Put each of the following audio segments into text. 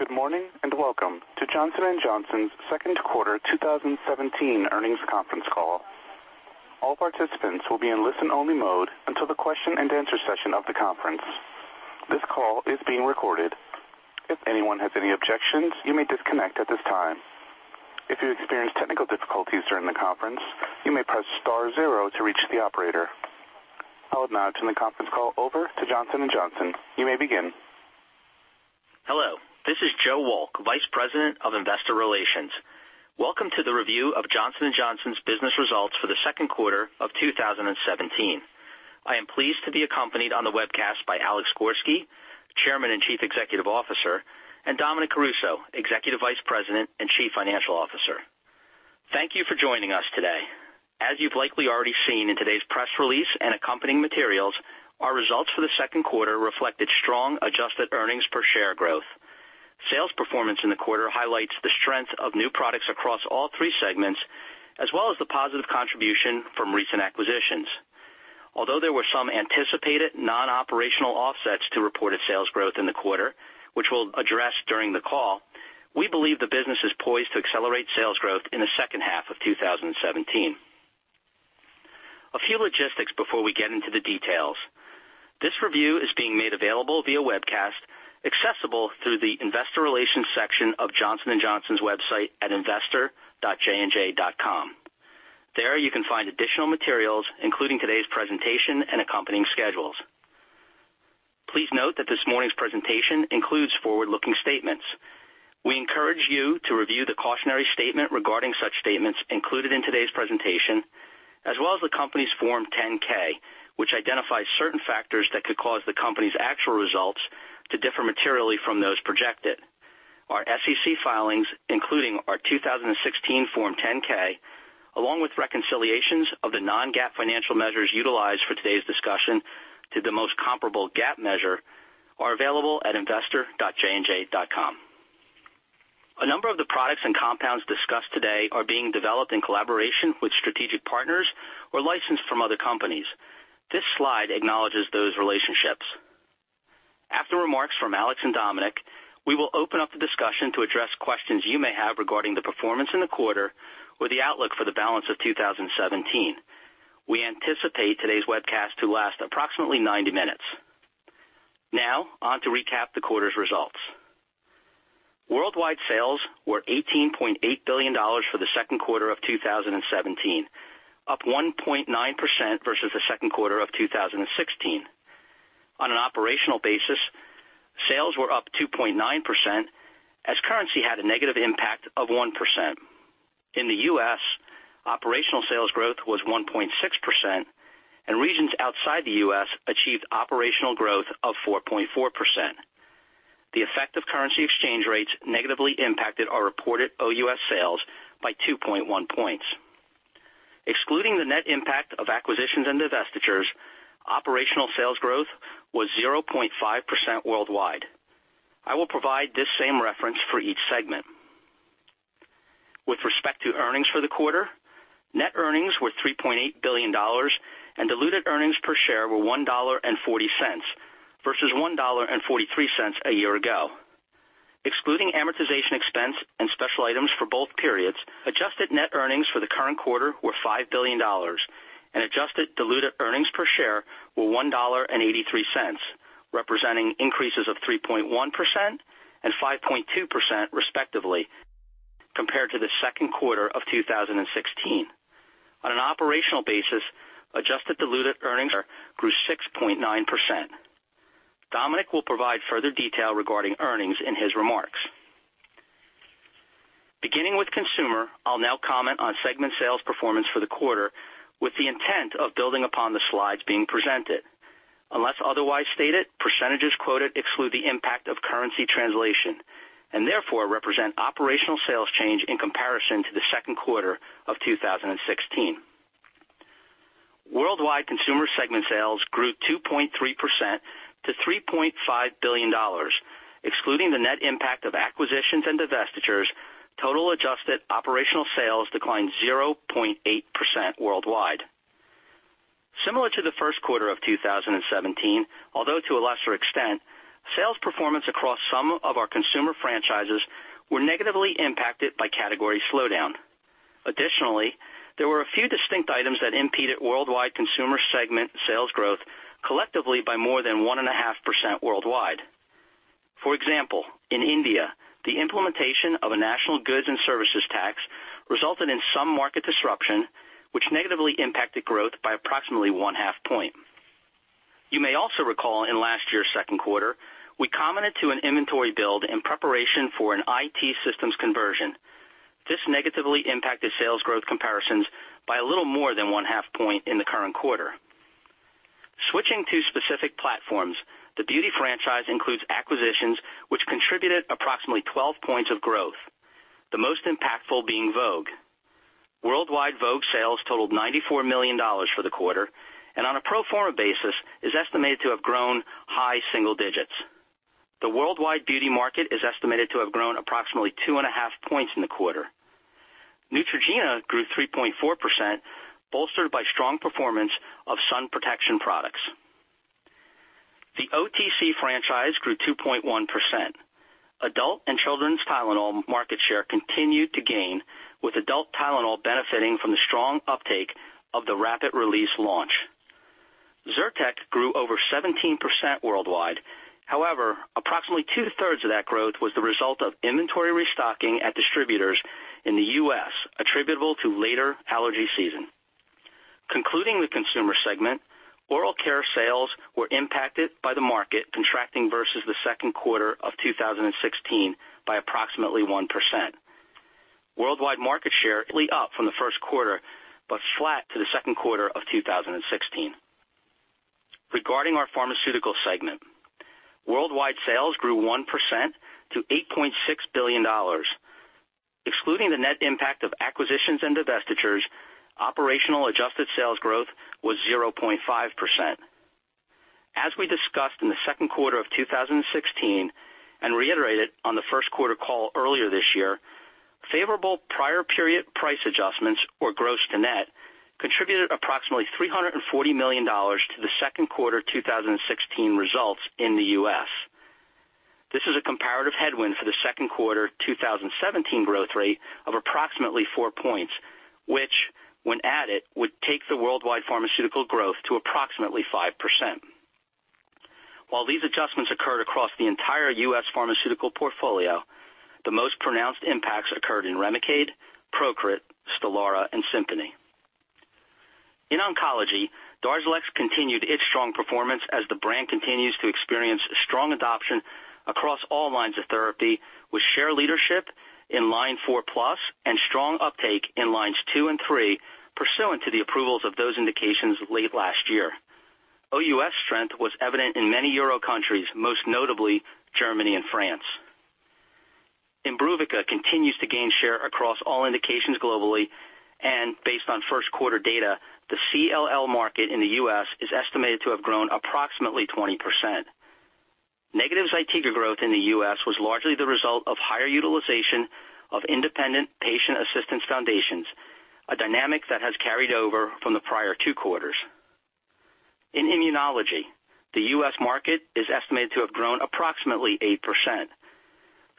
Good morning. Welcome to Johnson & Johnson's second quarter 2017 earnings conference call. All participants will be in listen-only mode until the question and answer session of the conference. This call is being recorded. If anyone has any objections, you may disconnect at this time. If you experience technical difficulties during the conference, you may press star zero to reach the operator. I will now turn the conference call over to Johnson & Johnson. You may begin. Hello, this is Joe Wolk, Vice President of Investor Relations. Welcome to the review of Johnson & Johnson's business results for the second quarter of 2017. I am pleased to be accompanied on the webcast by Alex Gorsky, Chairman and Chief Executive Officer, and Dominic Caruso, Executive Vice President and Chief Financial Officer. Thank you for joining us today. As you have likely already seen in today's press release and accompanying materials, our results for the second quarter reflected strong adjusted earnings per share growth. Sales performance in the quarter highlights the strength of new products across all three segments, as well as the positive contribution from recent acquisitions. Although there were some anticipated non-operational offsets to reported sales growth in the quarter, which we will address during the call, we believe the business is poised to accelerate sales growth in the second half of 2017. A few logistics before we get into the details. This review is being made available via webcast, accessible through the investor relations section of Johnson & Johnson's website at investor.jnj.com. There, you can find additional materials, including today's presentation and accompanying schedules. Please note that this morning's presentation includes forward-looking statements. We encourage you to review the cautionary statement regarding such statements included in today's presentation, as well as the company's Form 10-K, which identifies certain factors that could cause the company's actual results to differ materially from those projected. Our SEC filings, including our 2016 Form 10-K, along with reconciliations of the non-GAAP financial measures utilized for today's discussion to the most comparable GAAP measure, are available at investor.jnj.com. A number of the products and compounds discussed today are being developed in collaboration with strategic partners or licensed from other companies. This slide acknowledges those relationships. After remarks from Alex and Dominic, we will open up the discussion to address questions you may have regarding the performance in the quarter or the outlook for the balance of 2017. We anticipate today's webcast to last approximately 90 minutes. Now, on to recap the quarter's results. Worldwide sales were $18.8 billion for the second quarter of 2017, up 1.9% versus the second quarter of 2016. On an operational basis, sales were up 2.9% as currency had a negative impact of 1%. In the U.S., operational sales growth was 1.6%, and regions outside the U.S. achieved operational growth of 4.4%. The effect of currency exchange rates negatively impacted our reported OUS sales by 2.1 points. Excluding the net impact of acquisitions and divestitures, operational sales growth was 0.5% worldwide. I will provide this same reference for each segment. With respect to earnings for the quarter, net earnings were $3.8 billion and diluted earnings per share were $1.40 versus $1.43 a year ago. Excluding amortization expense and special items for both periods, adjusted net earnings for the current quarter were $5 billion and adjusted diluted earnings per share were $1.83, representing increases of 3.1% and 5.2% respectively, compared to the second quarter of 2016. On an operational basis, adjusted diluted earnings grew 6.9%. Dominic Caruso will provide further detail regarding earnings in his remarks. Beginning with Consumer, I will now comment on segment sales performance for the quarter with the intent of building upon the slides being presented. Unless otherwise stated, percentages quoted exclude the impact of currency translation and therefore represent operational sales change in comparison to the second quarter of 2016. Worldwide Consumer segment sales grew 2.3% to $3.5 billion. Excluding the net impact of acquisitions and divestitures, total adjusted operational sales declined 0.8% worldwide. Similar to the first quarter of 2017, although to a lesser extent, sales performance across some of our Consumer franchises were negatively impacted by category slowdown. Additionally, there were a few distinct items that impeded worldwide Consumer segment sales growth collectively by more than 1.5% worldwide. For example, in India, the implementation of a national goods and services tax resulted in some market disruption, which negatively impacted growth by approximately one-half point. You may also recall in last year's second quarter, we commented to an inventory build in preparation for an IT systems conversion. This negatively impacted sales growth comparisons by a little more than one-half point in the current quarter. Switching to specific platforms, the Beauty franchise includes acquisitions which contributed approximately 12 points of growth, the most impactful being OGX. Worldwide OGX sales totaled $94 million for the quarter, and on a pro forma basis, is estimated to have grown high single digits. The worldwide beauty market is estimated to have grown approximately two and a half points in the quarter. Neutrogena grew 3.4%, bolstered by strong performance of sun protection products. The OTC franchise grew 2.1%. Adult and children's Tylenol market share continued to gain, with adult Tylenol benefiting from the strong uptake of the rapid release launch. Zyrtec grew over 17% worldwide. However, approximately two-thirds of that growth was the result of inventory restocking at distributors in the U.S., attributable to later allergy season. Concluding the Consumer segment, oral care sales were impacted by the market contracting versus the second quarter of 2016 by approximately 1%. Worldwide market share up from the first quarter, but flat to the second quarter of 2016. Regarding our Pharmaceutical segment, worldwide sales grew 1% to $8.6 billion. Excluding the net impact of acquisitions and divestitures, operational adjusted sales growth was 0.5%. As we discussed in the second quarter of 2016, and reiterated on the first quarter call earlier this year, favorable prior period price adjustments, or gross to net, contributed approximately $340 million to the second quarter 2016 results in the U.S. This is a comparative headwind for the second quarter 2017 growth rate of approximately four points, which, when added, would take the worldwide pharmaceutical growth to approximately 5%. While these adjustments occurred across the entire U.S. pharmaceutical portfolio, the most pronounced impacts occurred in Remicade, Procrit, Stelara, and Simponi. In oncology, DARZALEX continued its strong performance as the brand continues to experience strong adoption across all lines of therapy, with share leadership in line 4 plus and strong uptake in lines 2 and 3, pursuant to the approvals of those indications late last year. OUS strength was evident in many Euro countries, most notably Germany and France. IMBRUVICA continues to gain share across all indications globally, and based on first quarter data, the CLL market in the U.S. is estimated to have grown approximately 20%. Negative ZYTIGA growth in the U.S. was largely the result of higher utilization of independent patient assistance foundations, a dynamic that has carried over from the prior two quarters. In immunology, the U.S. market is estimated to have grown approximately 8%.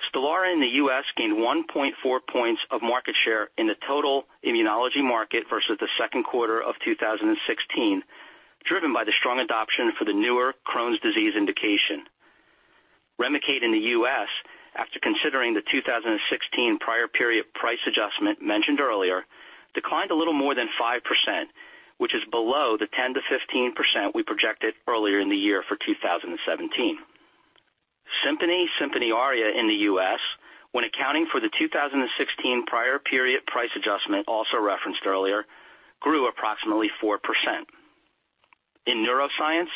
STELARA in the U.S. gained 1.4 points of market share in the total immunology market versus the second quarter of 2016, driven by the strong adoption for the newer Crohn's disease indication. REMICADE in the U.S., after considering the 2016 prior period price adjustment mentioned earlier, declined a little more than 5%, which is below the 10%-15% we projected earlier in the year for 2017. SIMPONI ARIA in the U.S., when accounting for the 2016 prior period price adjustment also referenced earlier, grew approximately 4%. In neuroscience,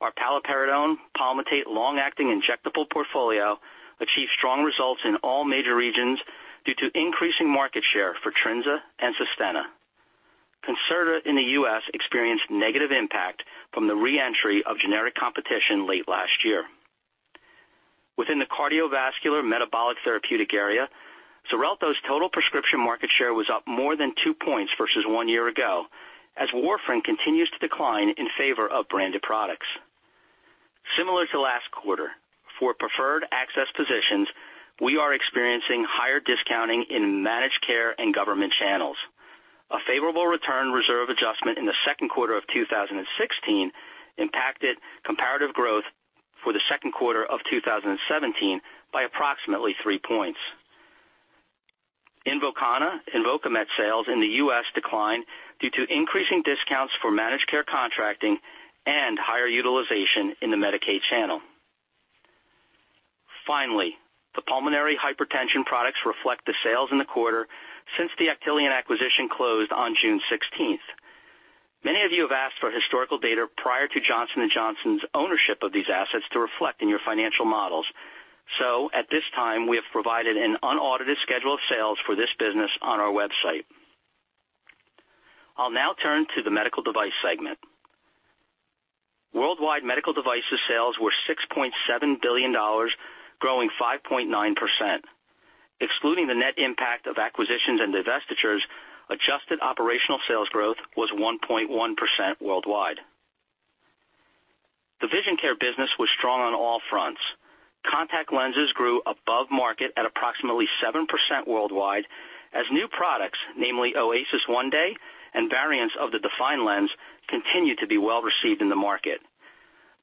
our paliperidone palmitate long-acting injectable portfolio achieved strong results in all major regions due to increasing market share for TRINZA and SUSTENNA. CONCERTA in the U.S. experienced negative impact from the re-entry of generic competition late last year. Within the cardiovascular metabolic therapeutic area, XARELTO's total prescription market share was up more than two points versus one year ago, as warfarin continues to decline in favor of branded products. Similar to last quarter, for preferred access positions, we are experiencing higher discounting in managed care and government channels. A favorable return reserve adjustment in the second quarter of 2016 impacted comparative growth for the second quarter of 2017 by approximately three points. INVOKANA, INVOKAMET sales in the U.S. declined due to increasing discounts for managed care contracting and higher utilization in the Medicaid channel. Finally, the pulmonary hypertension products reflect the sales in the quarter since the Actelion acquisition closed on June 16th. Many of you have asked for historical data prior to Johnson & Johnson's ownership of these assets to reflect in your financial models. At this time, we have provided an unaudited schedule of sales for this business on our website. I'll now turn to the medical device segment. Worldwide medical devices sales were $6.7 billion, growing 5.9%. Excluding the net impact of acquisitions and divestitures, adjusted operational sales growth was 1.1% worldwide. The vision care business was strong on all fronts. Contact lenses grew above market at approximately 7% worldwide as new products, namely OASYS 1-Day and variants of the DEFINE lens, continued to be well-received in the market.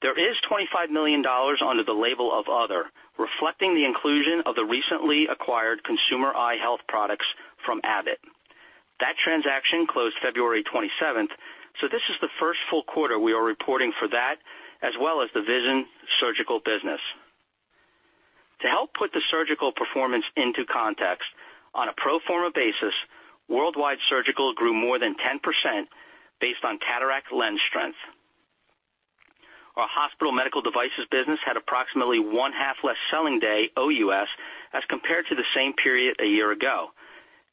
There is $25 million under the label of other, reflecting the inclusion of the recently acquired consumer eye health products from Abbott. That transaction closed February 27th, so this is the first full quarter we are reporting for that, as well as the vision surgical business. To help put the surgical performance into context, on a pro forma basis, worldwide surgical grew more than 10% based on cataract lens strength. Our hospital medical devices business had approximately one half less selling day OUS as compared to the same period a year ago,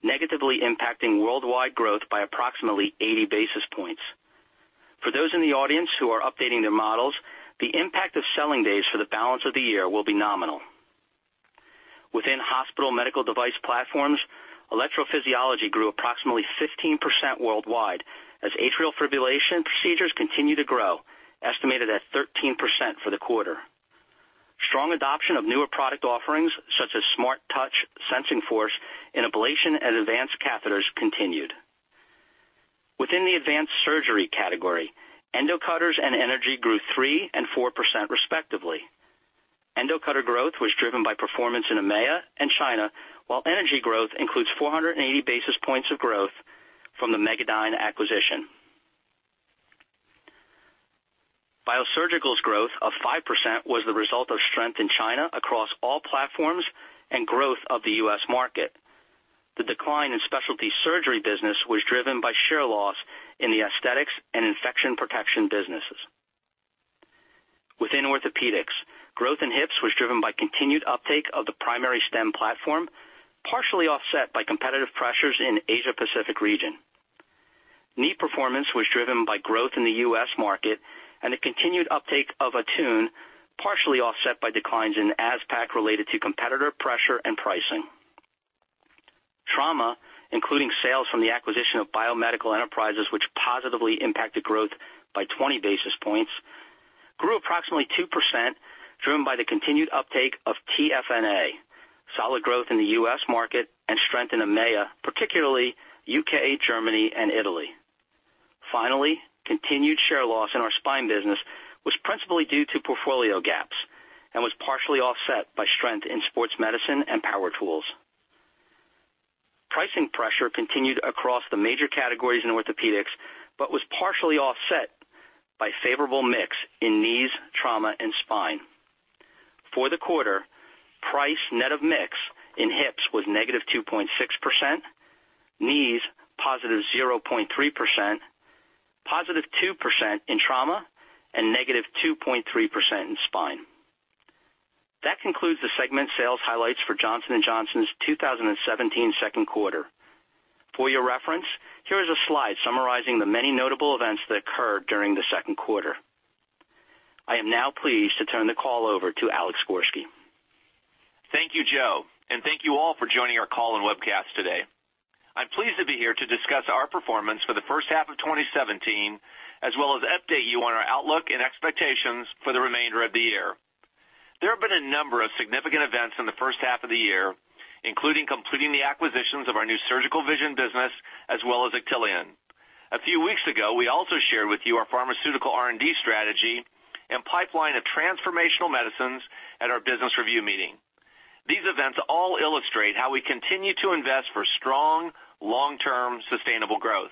negatively impacting worldwide growth by approximately 80 basis points. For those in the audience who are updating their models, the impact of selling days for the balance of the year will be nominal. Within hospital medical device platforms, electrophysiology grew approximately 15% worldwide as atrial fibrillation procedures continue to grow, estimated at 13% for the quarter. Strong adoption of newer product offerings, such as SmartTouch Sensing Force and ablation and advanced catheters continued. Within the advanced surgery category, endo cutters and energy grew 3% and 4% respectively. Endo cutter growth was driven by performance in EMEA and China, while energy growth includes 480 basis points of growth from the Megadyne acquisition. Bio surgical's growth of 5% was the result of strength in China across all platforms and growth of the U.S. market. The decline in specialty surgery business was driven by share loss in the aesthetics and infection protection businesses. Within orthopedics, growth in hips was driven by continued uptake of the primary stem platform, partially offset by competitive pressures in Asia-Pacific region. Knee performance was driven by growth in the U.S. market and the continued uptake of ATTUNE, partially offset by declines in ASPAC related to competitor pressure and pricing. Trauma, including sales from the acquisition of BioMedical Enterprises, which positively impacted growth by 20 basis points, grew approximately 2%, driven by the continued uptake of TFNA, solid growth in the U.S. market, and strength in EMEA, particularly U.K., Germany and Italy. Finally, continued share loss in our spine business was principally due to portfolio gaps and was partially offset by strength in sports medicine and power tools. Pricing pressure continued across the major categories in orthopedics but was partially offset by favorable mix in knees, trauma, and spine. For the quarter, price net of mix in hips was negative 2.6%, knees positive 0.3%, positive 2% in trauma, and negative 2.3% in spine. That concludes the segment sales highlights for Johnson & Johnson's 2017 second quarter. For your reference, here is a slide summarizing the many notable events that occurred during the second quarter. I am now pleased to turn the call over to Alex Gorsky. Thank you, Joe, and thank you all for joining our call and webcast today. I'm pleased to be here to discuss our performance for the first half of 2017, as well as update you on our outlook and expectations for the remainder of the year. There have been a number of significant events in the first half of the year, including completing the acquisitions of our new surgical vision business as well as Actelion. A few weeks ago, we also shared with you our pharmaceutical R&D strategy and pipeline of transformational medicines at our business review meeting. These events all illustrate how we continue to invest for strong, long-term, sustainable growth.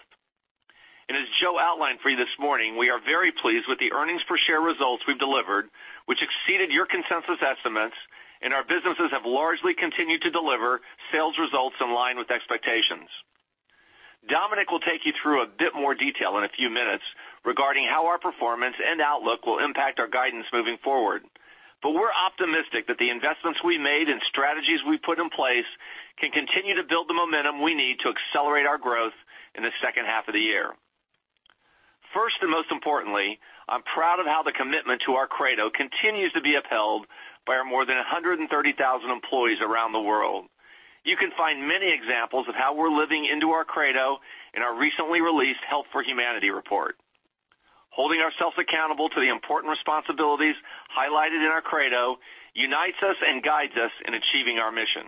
As Joe outlined for you this morning, we are very pleased with the earnings per share results we've delivered, which exceeded your consensus estimates, and our businesses have largely continued to deliver sales results in line with expectations. Dominic will take you through a bit more detail in a few minutes regarding how our performance and outlook will impact our guidance moving forward. We're optimistic that the investments we made and strategies we put in place can continue to build the momentum we need to accelerate our growth in the second half of the year. First, and most importantly, I'm proud of how the commitment to our Credo continues to be upheld by our more than 130,000 employees around the world. You can find many examples of how we're living into our Credo in our recently released Health for Humanity report. Holding ourselves accountable to the important responsibilities highlighted in our Credo unites us and guides us in achieving our mission.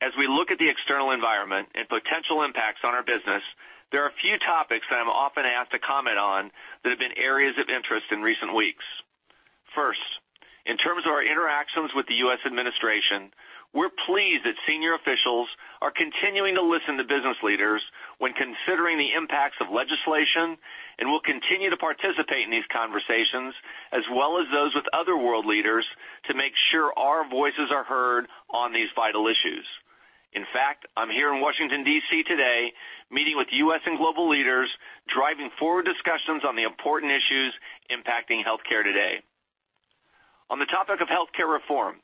As we look at the external environment and potential impacts on our business, there are a few topics that I'm often asked to comment on that have been areas of interest in recent weeks. First, in terms of our interactions with the U.S. administration, we're pleased that senior officials are continuing to listen to business leaders when considering the impacts of legislation, and will continue to participate in these conversations as well as those with other world leaders to make sure our voices are heard on these vital issues. In fact, I'm here in Washington, D.C. today, meeting with U.S. and global leaders, driving forward discussions on the important issues impacting healthcare today. On the topic of healthcare reform,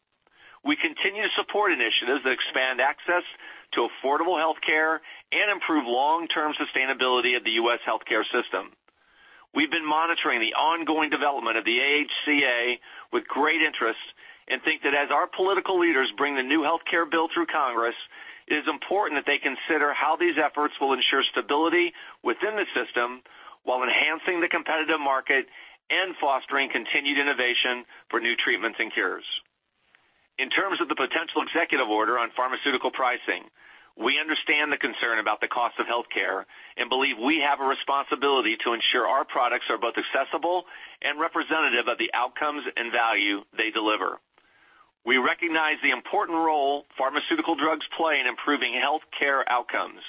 we continue to support initiatives that expand access to affordable healthcare and improve long-term sustainability of the U.S. healthcare system. We've been monitoring the ongoing development of the AHCA with great interest and think that as our political leaders bring the new healthcare bill through Congress, it is important that they consider how these efforts will ensure stability within the system while enhancing the competitive market and fostering continued innovation for new treatments and cures. In terms of the potential executive order on pharmaceutical pricing, we understand the concern about the cost of healthcare and believe we have a responsibility to ensure our products are both accessible and representative of the outcomes and value they deliver. We recognize the important role pharmaceutical drugs play in improving healthcare outcomes.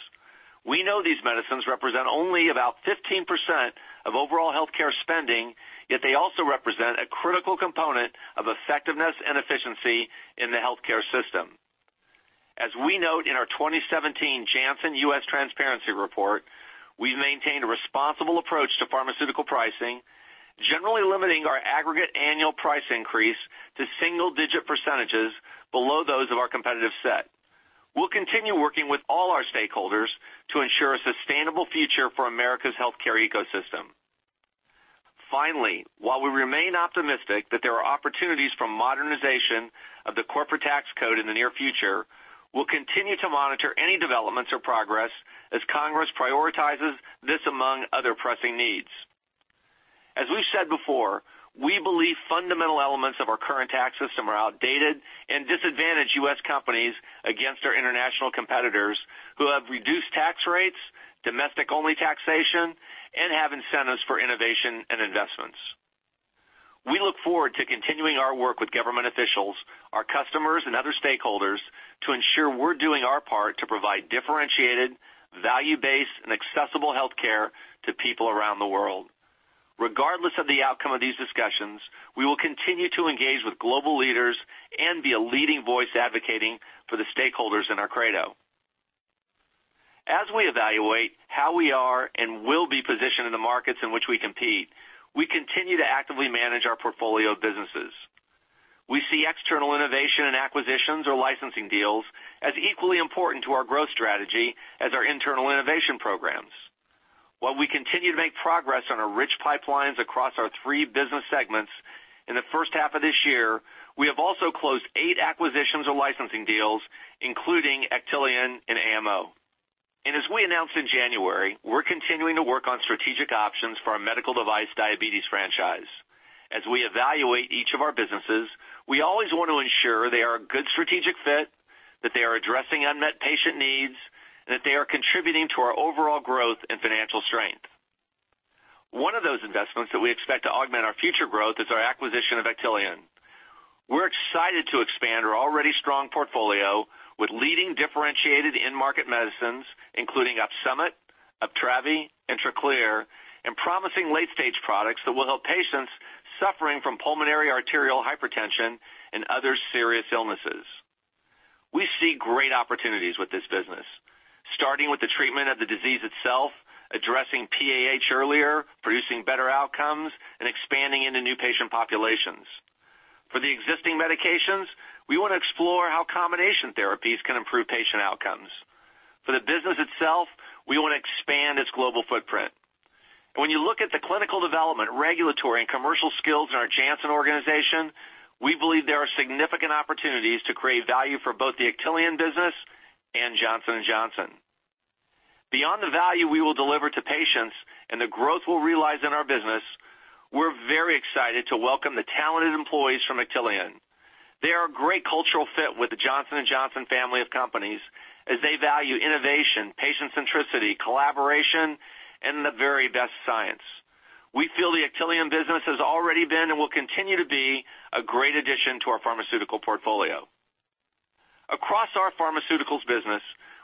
We know these medicines represent only about 15% of overall healthcare spending, yet they also represent a critical component of effectiveness and efficiency in the healthcare system. As we note in our 2017 Janssen U.S. Transparency Report, we've maintained a responsible approach to pharmaceutical pricing, generally limiting our aggregate annual price increase to single-digit % below those of our competitive set. We'll continue working with all our stakeholders to ensure a sustainable future for America's healthcare ecosystem. Finally, while we remain optimistic that there are opportunities for modernization of the corporate tax code in the near future, we'll continue to monitor any developments or progress as Congress prioritizes this among other pressing needs. As we've said before, we believe fundamental elements of our current tax system are outdated and disadvantage U.S. companies against our international competitors who have reduced tax rates, domestic-only taxation, and have incentives for innovation and investments. We look forward to continuing our work with government officials, our customers, and other stakeholders to ensure we're doing our part to provide differentiated, value-based, and accessible healthcare to people around the world. Regardless of the outcome of these discussions, we will continue to engage with global leaders and be a leading voice advocating for the stakeholders in our credo. As we evaluate how we are and will be positioned in the markets in which we compete, we continue to actively manage our portfolio of businesses. We see external innovation and acquisitions or licensing deals as equally important to our growth strategy as our internal innovation programs. While we continue to make progress on our rich pipelines across our three business segments, in the first half of this year, we have also closed eight acquisitions or licensing deals, including Actelion and AMO. As we announced in January, we're continuing to work on strategic options for our medical device diabetes franchise. As we evaluate each of our businesses, we always want to ensure they are a good strategic fit, that they are addressing unmet patient needs, and that they are contributing to our overall growth and financial strength. One of those investments that we expect to augment our future growth is our acquisition of Actelion. We're excited to expand our already strong portfolio with leading differentiated end-market medicines, including OPSUMIT, UPTRAVI, and TRACLEER, and promising late-stage products that will help patients suffering from pulmonary arterial hypertension and other serious illnesses. We see great opportunities with this business, starting with the treatment of the disease itself, addressing PAH earlier, producing better outcomes, and expanding into new patient populations. For the existing medications, we want to explore how combination therapies can improve patient outcomes. For the business itself, we want to expand its global footprint. When you look at the clinical development, regulatory, and commercial skills in our Janssen organization, we believe there are significant opportunities to create value for both the Actelion business and Johnson & Johnson. Beyond the value we will deliver to patients and the growth we'll realize in our business, we're very excited to welcome the talented employees from Actelion. They are a great cultural fit with the Johnson & Johnson family of companies as they value innovation, patient centricity, collaboration, and the very best science. We feel the Actelion business has already been and will continue to be a great addition to our pharmaceutical portfolio. Across our pharmaceuticals business,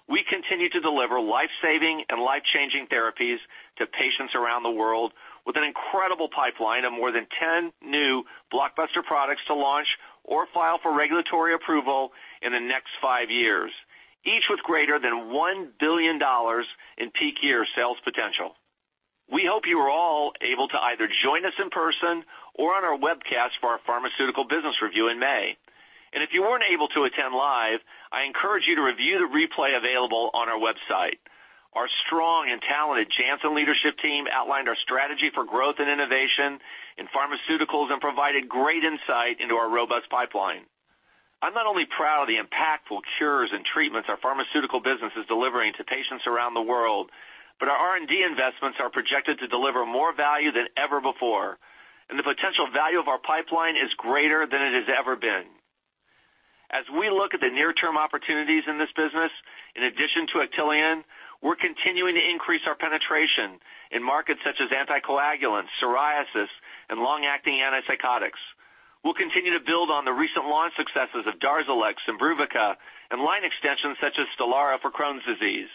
we continue to deliver life-saving and life-changing therapies to patients around the world with an incredible pipeline of more than 10 new blockbuster products to launch or file for regulatory approval in the next five years, each with greater than $1 billion in peak year sales potential. We hope you were all able to either join us in person or on our webcast for our pharmaceutical business review in May. If you weren't able to attend live, I encourage you to review the replay available on our website. Our strong and talented Janssen leadership team outlined our strategy for growth and innovation in pharmaceuticals and provided great insight into our robust pipeline. I'm not only proud of the impactful cures and treatments our pharmaceuticals business is delivering to patients around the world, but our R&D investments are projected to deliver more value than ever before, and the potential value of our pipeline is greater than it has ever been. As we look at the near-term opportunities in this business, in addition to Actelion, we're continuing to increase our penetration in markets such as anticoagulants, psoriasis, and long-acting antipsychotics. We'll continue to build on the recent launch successes of DARZALEX and IMBRUVICA and line extensions such as STELARA for Crohn's disease.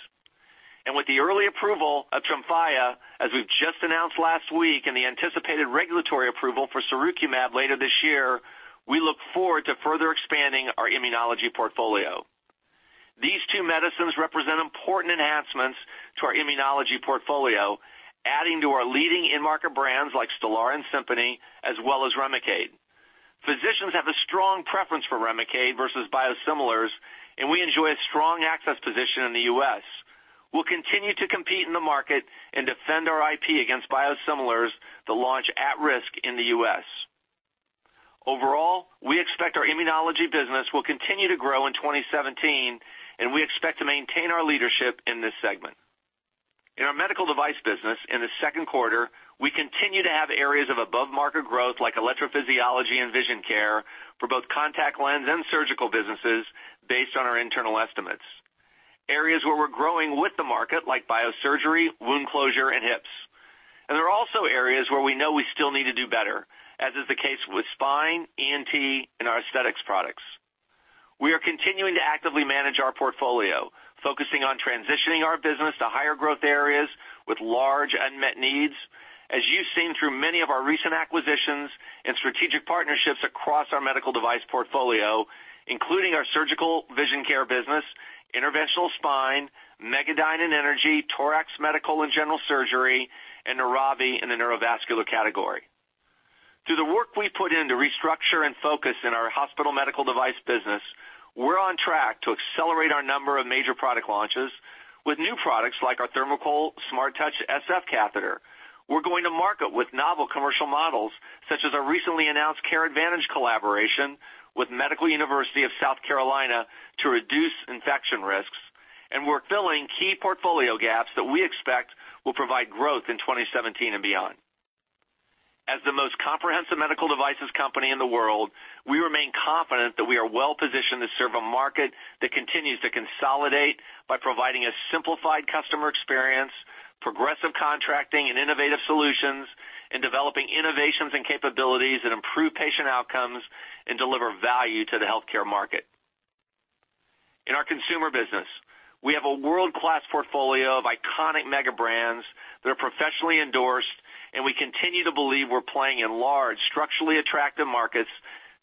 With the early approval of TREMFYA, as we've just announced last week, and the anticipated regulatory approval for sirukumab later this year, we look forward to further expanding our immunology portfolio. These two medicines represent important enhancements to our immunology portfolio, adding to our leading in-market brands like STELARA and SIMPONI, as well as REMICADE. Physicians have a strong preference for REMICADE versus biosimilars, and we enjoy a strong access position in the U.S. We'll continue to compete in the market and defend our IP against biosimilars that launch at risk in the U.S. Overall, we expect our immunology business will continue to grow in 2017, and we expect to maintain our leadership in this segment. In our Medical Device business in the second quarter, we continue to have areas of above-market growth, like electrophysiology and Vision Care for both contact lens and surgical businesses based on our internal estimates. Areas where we're growing with the market, like biosurgery, wound closure, and hips. There are also areas where we know we still need to do better, as is the case with spine, ENT, and our aesthetics products. We are continuing to actively manage our portfolio, focusing on transitioning our business to higher growth areas with large unmet needs. As you've seen through many of our recent acquisitions and strategic partnerships across our Medical Device portfolio, including our Surgical Vision Care business, interventional spine, Megadyne and energy, Torax Medical and general surgery, and Neuravi in the neurovascular category. Through the work we put in to restructure and focus in our hospital Medical Device business, we're on track to accelerate our number of major product launches with new products like our THERMOCOOL SMARTTOUCH SF catheter. We're going to market with novel commercial models, such as our recently announced CareAdvantage collaboration with Medical University of South Carolina to reduce infection risks. We're filling key portfolio gaps that we expect will provide growth in 2017 and beyond. As the most comprehensive medical devices company in the world, we remain confident that we are well-positioned to serve a market that continues to consolidate by providing a simplified customer experience, progressive contracting and innovative solutions. Developing innovations and capabilities that improve patient outcomes and deliver value to the healthcare market. In our consumer business, we have a world-class portfolio of iconic mega brands that are professionally endorsed. We continue to believe we're playing in large, structurally attractive markets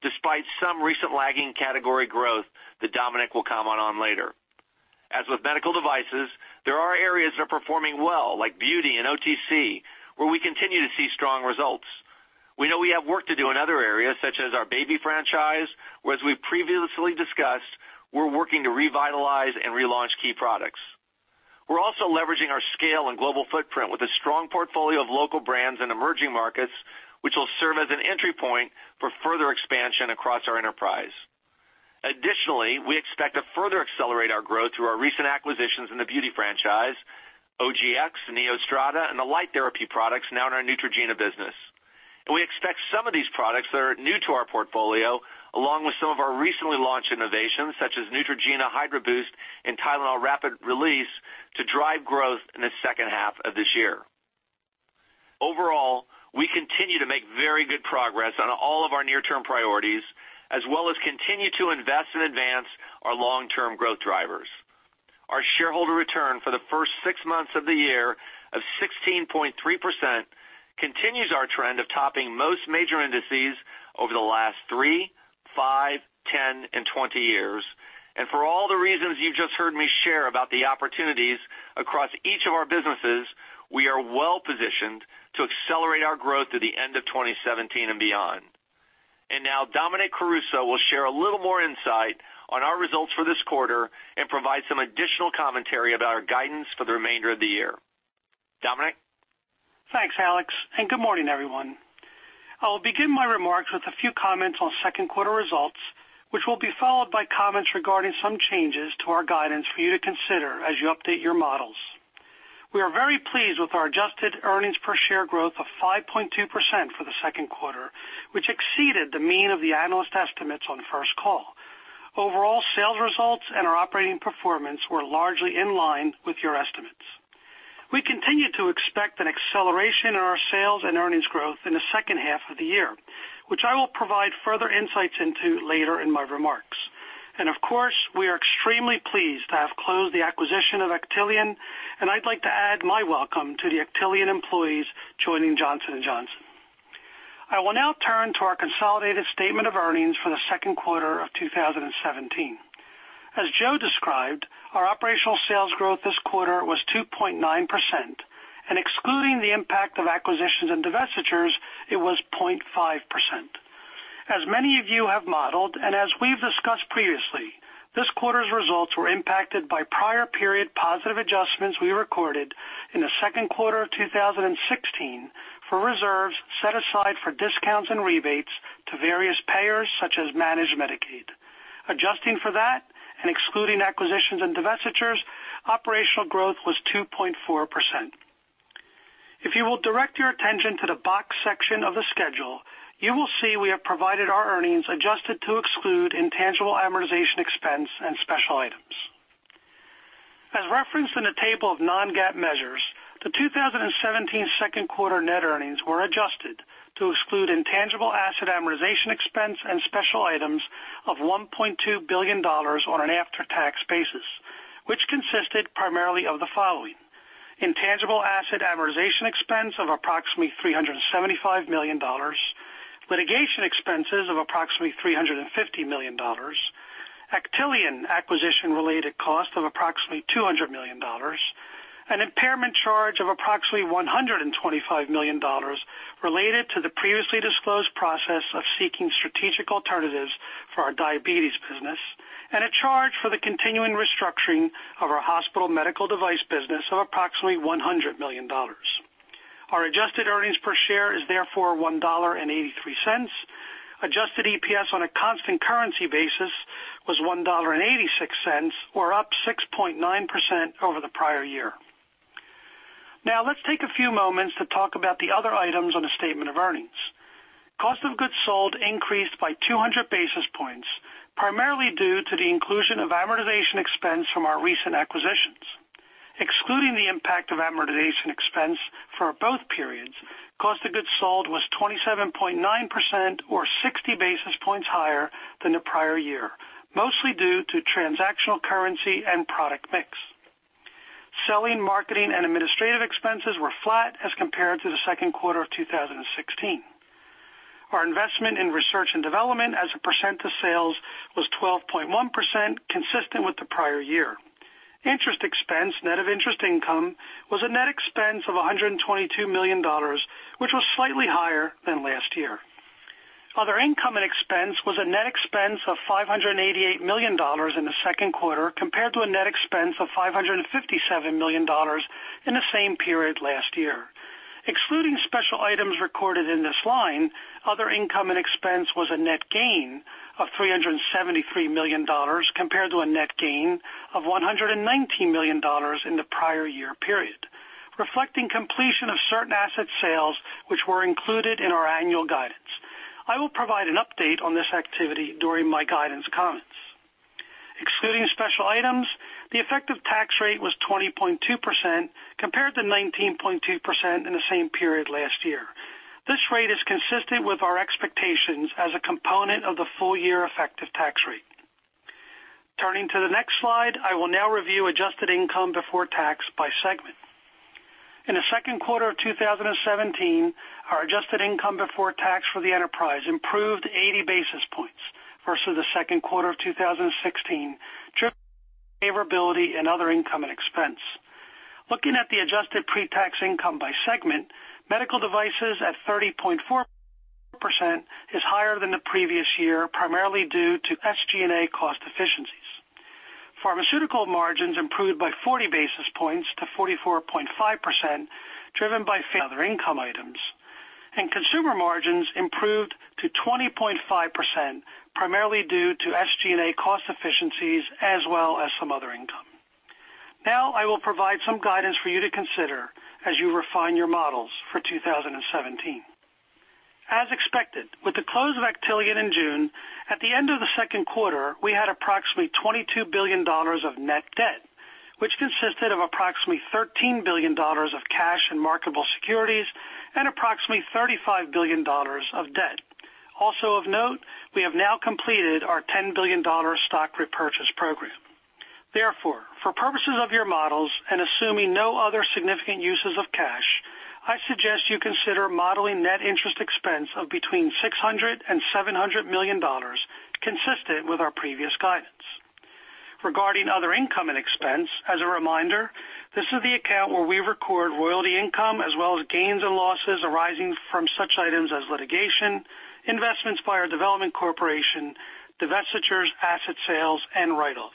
despite some recent lagging category growth that Dominic will comment on later. As with medical devices, there are areas that are performing well, like beauty and OTC, where we continue to see strong results. We know we have work to do in other areas, such as our baby franchise, where, as we've previously discussed, we're working to revitalize and relaunch key products. We're also leveraging our scale and global footprint with a strong portfolio of local brands in emerging markets, which will serve as an entry point for further expansion across our enterprise. Additionally, we expect to further accelerate our growth through our recent acquisitions in the beauty franchise, OGX, NeoStrata, and the light therapy products now in our Neutrogena business. We expect some of these products that are new to our portfolio, along with some of our recently launched innovations, such as Neutrogena Hydro Boost and Tylenol Rapid Release, to drive growth in the second half of this year. Overall, we continue to make very good progress on all of our near-term priorities, as well as continue to invest and advance our long-term growth drivers. Our shareholder return for the first six months of the year of 16.3% continues our trend of topping most major indices over the last three, five, 10, and 20 years. For all the reasons you just heard me share about the opportunities across each of our businesses, we are well-positioned to accelerate our growth through the end of 2017 and beyond. Now Dominic Caruso will share a little more insight on our results for this quarter and provide some additional commentary about our guidance for the remainder of the year. Dominic? Thanks, Alex. Good morning, everyone. I will begin my remarks with a few comments on second quarter results, which will be followed by comments regarding some changes to our guidance for you to consider as you update your models. We are very pleased with our adjusted earnings per share growth of 5.2% for the second quarter, which exceeded the mean of the analyst estimates on First Call. Overall sales results and our operating performance were largely in line with your estimates. We continue to expect an acceleration in our sales and earnings growth in the second half of the year, which I will provide further insights into later in my remarks. Of course, we are extremely pleased to have closed the acquisition of Actelion. I'd like to add my welcome to the Actelion employees joining Johnson & Johnson. I will now turn to our consolidated statement of earnings for the second quarter of 2017. As Joe described, our operational sales growth this quarter was 2.9%, and excluding the impact of acquisitions and divestitures, it was 0.5%. As many of you have modeled, and as we've discussed previously, this quarter's results were impacted by prior period positive adjustments we recorded in the second quarter of 2016 for reserves set aside for discounts and rebates to various payers such as Managed Medicaid. Adjusting for that, and excluding acquisitions and divestitures, operational growth was 2.4%. If you will direct your attention to the box section of the schedule, you will see we have provided our earnings adjusted to exclude intangible amortization expense and special items. As referenced in the table of non-GAAP measures, the 2017 second quarter net earnings were adjusted to exclude intangible asset amortization expense and special items of $1.2 billion on an after-tax basis, which consisted primarily of the following: Intangible asset amortization expense of approximately $375 million, litigation expenses of approximately $350 million, Actelion acquisition-related cost of approximately $200 million, an impairment charge of approximately $125 million related to the previously disclosed process of seeking strategic alternatives for our diabetes business, and a charge for the continuing restructuring of our hospital medical device business of approximately $100 million. Our adjusted earnings per share is therefore $1.83. Adjusted EPS on a constant currency basis was $1.86, or up 6.9% over the prior year. Let's take a few moments to talk about the other items on the statement of earnings. Cost of goods sold increased by 200 basis points, primarily due to the inclusion of amortization expense from our recent acquisitions. Excluding the impact of amortization expense for both periods, cost of goods sold was 27.9%, or 60 basis points higher than the prior year, mostly due to transactional currency and product mix. Selling, marketing, and administrative expenses were flat as compared to the second quarter of 2016. Our investment in research and development as a percent of sales was 12.1%, consistent with the prior year. Interest expense, net of interest income, was a net expense of $122 million, which was slightly higher than last year. Other income and expense was a net expense of $588 million in the second quarter, compared to a net expense of $557 million in the same period last year. Excluding special items recorded in this line, Other income and expense was a net gain of $373 million compared to a net gain of $119 million in the prior year period, reflecting completion of certain asset sales which were included in our annual guidance. I will provide an update on this activity during my guidance comments. Excluding special items, the effective tax rate was 20.2% compared to 19.2% in the same period last year. This rate is consistent with our expectations as a component of the full year effective tax rate. Turning to the next slide, I will now review adjusted income before tax by segment. In the second quarter of 2017, our adjusted income before tax for the enterprise improved 80 basis points versus the second quarter of 2016, driven by favorability and Other income and expense. Looking at the adjusted pre-tax income by segment, Medical Devices at 30.4% is higher than the previous year, primarily due to SG&A cost efficiencies. Pharmaceutical margins improved by 40 basis points to 44.5%, driven by other income items. Consumer margins improved to 20.5%, primarily due to SG&A cost efficiencies as well as some other income. Now I will provide some guidance for you to consider as you refine your models for 2017. As expected, with the close of Actelion in June, at the end of the second quarter, we had approximately $22 billion of net debt, which consisted of approximately $13 billion of cash and marketable securities and approximately $35 billion of debt. Also of note, we have now completed our $10 billion stock repurchase program. Therefore, for purposes of your models and assuming no other significant uses of cash, I suggest you consider modeling net interest expense of between $600 million and $700 million, consistent with our previous guidance. Regarding Other Income and Expense, as a reminder, this is the account where we record royalty income as well as gains and losses arising from such items as litigation, investments by our development corporation, divestitures, asset sales, and write-offs.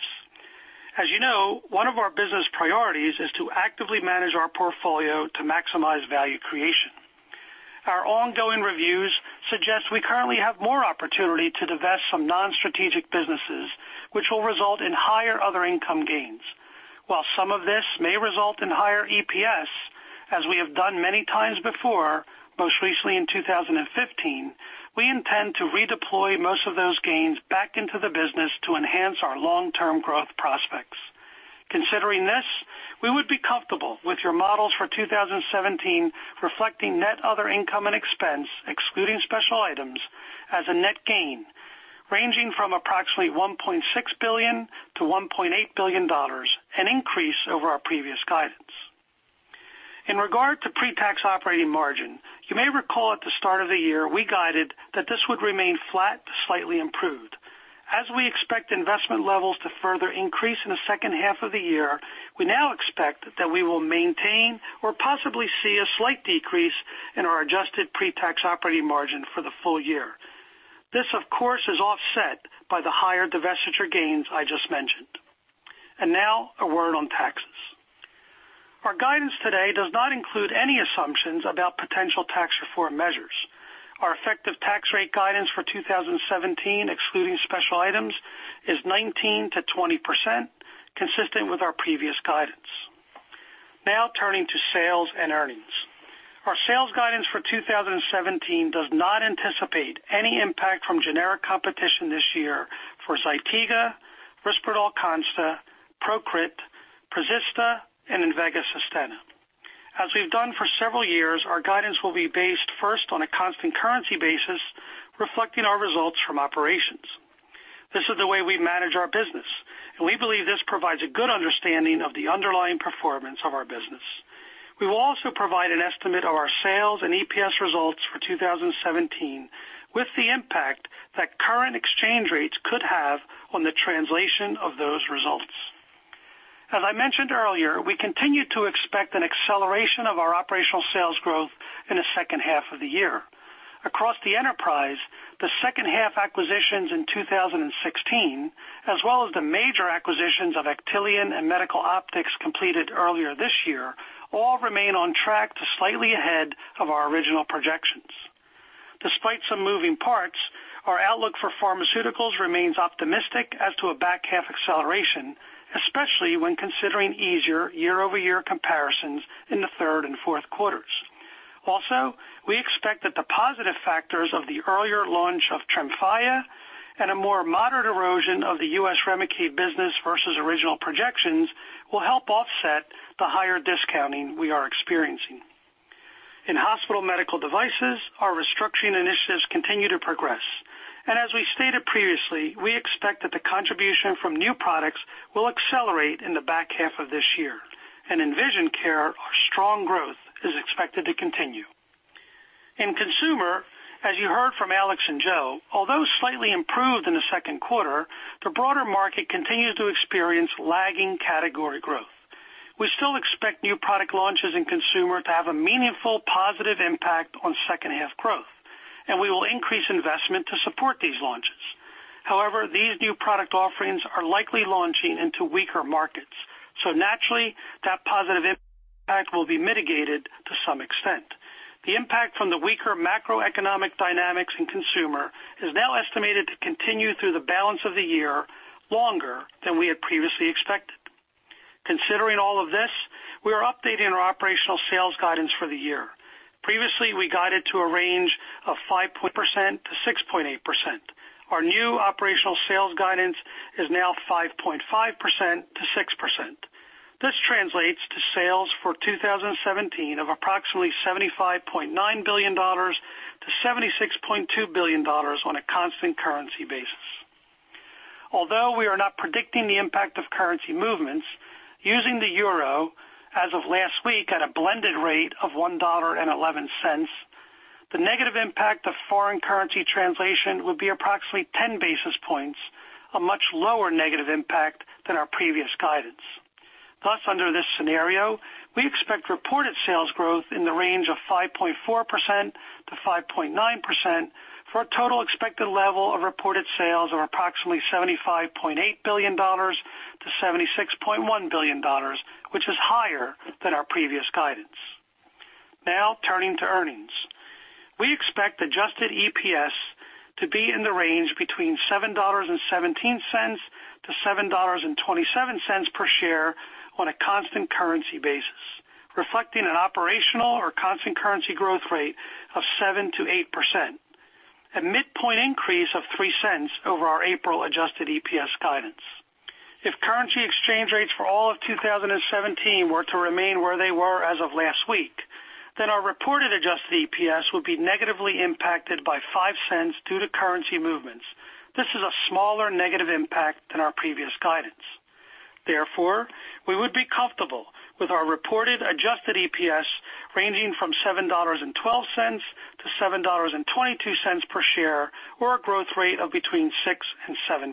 As you know, one of our business priorities is to actively manage our portfolio to maximize value creation. Our ongoing reviews suggest we currently have more opportunity to divest some non-strategic businesses, which will result in higher other income gains. While some of this may result in higher EPS, as we have done many times before, most recently in 2015, we intend to redeploy most of those gains back into the business to enhance our long-term growth prospects. Considering this, we would be comfortable with your models for 2017 reflecting net Other Income and Expense, excluding special items, as a net gain ranging from approximately $1.6 billion to $1.8 billion, an increase over our previous guidance. In regard to pre-tax operating margin, you may recall at the start of the year, we guided that this would remain flat to slightly improved. As we expect investment levels to further increase in the second half of the year, we now expect that we will maintain or possibly see a slight decrease in our adjusted pre-tax operating margin for the full year. This, of course, is offset by the higher divestiture gains I just mentioned. Now a word on taxes. Our guidance today does not include any assumptions about potential tax reform measures. Our effective tax rate guidance for 2017, excluding special items, is 19%-20%, consistent with our previous guidance. Now turning to sales and earnings. Our sales guidance for 2017 does not anticipate any impact from generic competition this year for ZYTIGA, RISPERDAL CONSTA, PROCRIT, PRISTIQ, and INVEGA SUSTENNA. As we've done for several years, our guidance will be based first on a constant currency basis, reflecting our results from operations. This is the way we manage our business, and we believe this provides a good understanding of the underlying performance of our business. We will also provide an estimate of our sales and EPS results for 2017 with the impact that current exchange rates could have on the translation of those results. As I mentioned earlier, we continue to expect an acceleration of our operational sales growth in the second half of the year. Across the enterprise, the second half acquisitions in 2016, as well as the major acquisitions of Actelion and Medical Optics completed earlier this year, all remain on track to slightly ahead of our original projections. Despite some moving parts, our outlook for pharmaceuticals remains optimistic as to a back half acceleration, especially when considering easier year-over-year comparisons in the third and fourth quarters. We expect that the positive factors of the earlier launch of TREMFYA and a more moderate erosion of the U.S. REMICADE business versus original projections will help offset the higher discounting we are experiencing. In hospital medical devices, our restructuring initiatives continue to progress. As we stated previously, we expect that the contribution from new products will accelerate in the back half of this year. In vision care, our strong growth is expected to continue. In consumer, as you heard from Alex and Joe, although slightly improved in the second quarter, the broader market continues to experience lagging category growth. We still expect new product launches in consumer to have a meaningful positive impact on second half growth, and we will increase investment to support these launches. However, these new product offerings are likely launching into weaker markets, so naturally, that positive impact will be mitigated to some extent. The impact from the weaker macroeconomic dynamics in consumer is now estimated to continue through the balance of the year longer than we had previously expected. Considering all of this, we are updating our operational sales guidance for the year. Previously, we guided to a range of 5%-6.8%. Our new operational sales guidance is now 5.5%-6%. This translates to sales for 2017 of approximately $75.9 billion-$76.2 billion on a constant currency basis. Although we are not predicting the impact of currency movements using the euro as of last week at a blended rate of $1.11, the negative impact of foreign currency translation would be approximately 10 basis points, a much lower negative impact than our previous guidance. Thus, under this scenario, we expect reported sales growth in the range of 5.4%-5.9% for a total expected level of reported sales of approximately $75.8 billion-$76.1 billion, which is higher than our previous guidance. Turning to earnings. We expect adjusted EPS to be in the range between $7.17-$7.27 per share on a constant currency basis, reflecting an operational or constant currency growth rate of 7%-8%. A midpoint increase of $0.03 over our April adjusted EPS guidance. If currency exchange rates for all of 2017 were to remain where they were as of last week, then our reported adjusted EPS would be negatively impacted by $0.05 due to currency movements. This is a smaller negative impact than our previous guidance. Therefore, we would be comfortable with our reported adjusted EPS ranging from $7.12-$7.22 per share, or a growth rate of between 6% and 7%.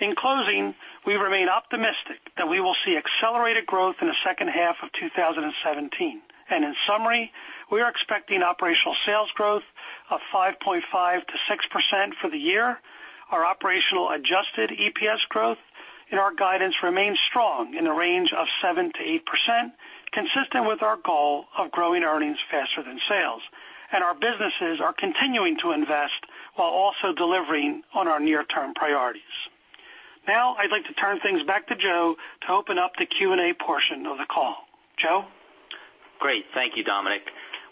In closing, we remain optimistic that we will see accelerated growth in the second half of 2017. In summary, we are expecting operational sales growth of 5.5%-6% for the year. Our operational adjusted EPS growth in our guidance remains strong in the range of 7%-8%, consistent with our goal of growing earnings faster than sales. Our businesses are continuing to invest while also delivering on our near-term priorities. Now, I'd like to turn things back to Joe to open up the Q&A portion of the call. Joe? Great. Thank you, Dominic.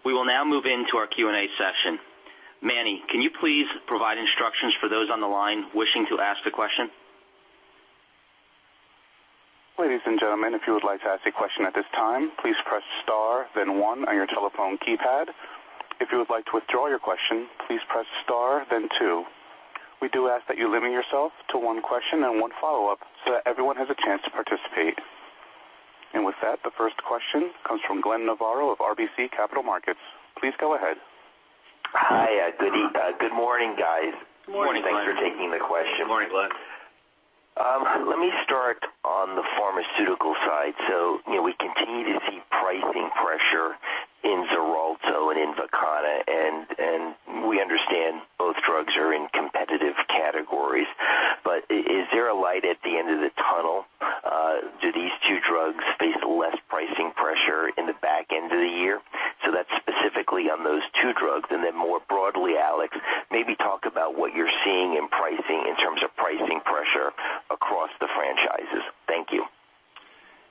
We will now move into our Q&A session. Manny, can you please provide instructions for those on the line wishing to ask a question? Ladies and gentlemen, if you would like to ask a question at this time, please press star then one on your telephone keypad. If you would like to withdraw your question, please press star then two. We do ask that you limit yourself to one question and one follow-up so that everyone has a chance to participate. With that, the first question comes from Glenn Novarro of RBC Capital Markets. Please go ahead. Hi, good morning, guys. Good morning, Glenn. Good morning. Thanks for taking the question. Good morning, Glenn. Let me start on the pharmaceutical side. We continue to see pricing pressure in XARELTO and INVOKANA, and we understand both drugs are in competitive categories. Is there a light at the end of the tunnel? Do these two drugs face less pricing pressure in the back end of the year? That's specifically on those two drugs, and then more broadly, Alex, maybe talk about what you're seeing in pricing in terms of pricing pressure across the franchises. Thank you.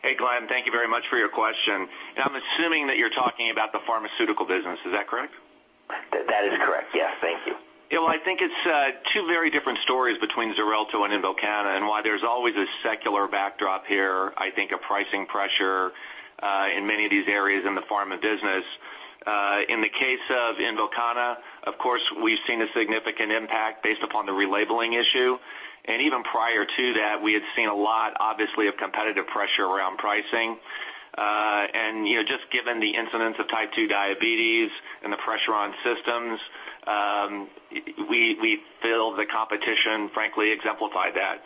Hey, Glenn. Thank you very much for your question. I'm assuming that you're talking about the pharmaceutical business. Is that correct? That is correct. Yes. Thank you. I think it's two very different stories between XARELTO and INVOKANA and why there's always a secular backdrop here, I think a pricing pressure, in many of these areas in the pharma business. In the case of INVOKANA, of course, we've seen a significant impact based upon the relabeling issue. Even prior to that, we had seen a lot, obviously, of competitive pressure around pricing. Just given the incidence of type 2 diabetes and the pressure on systems, we feel the competition frankly exemplified that.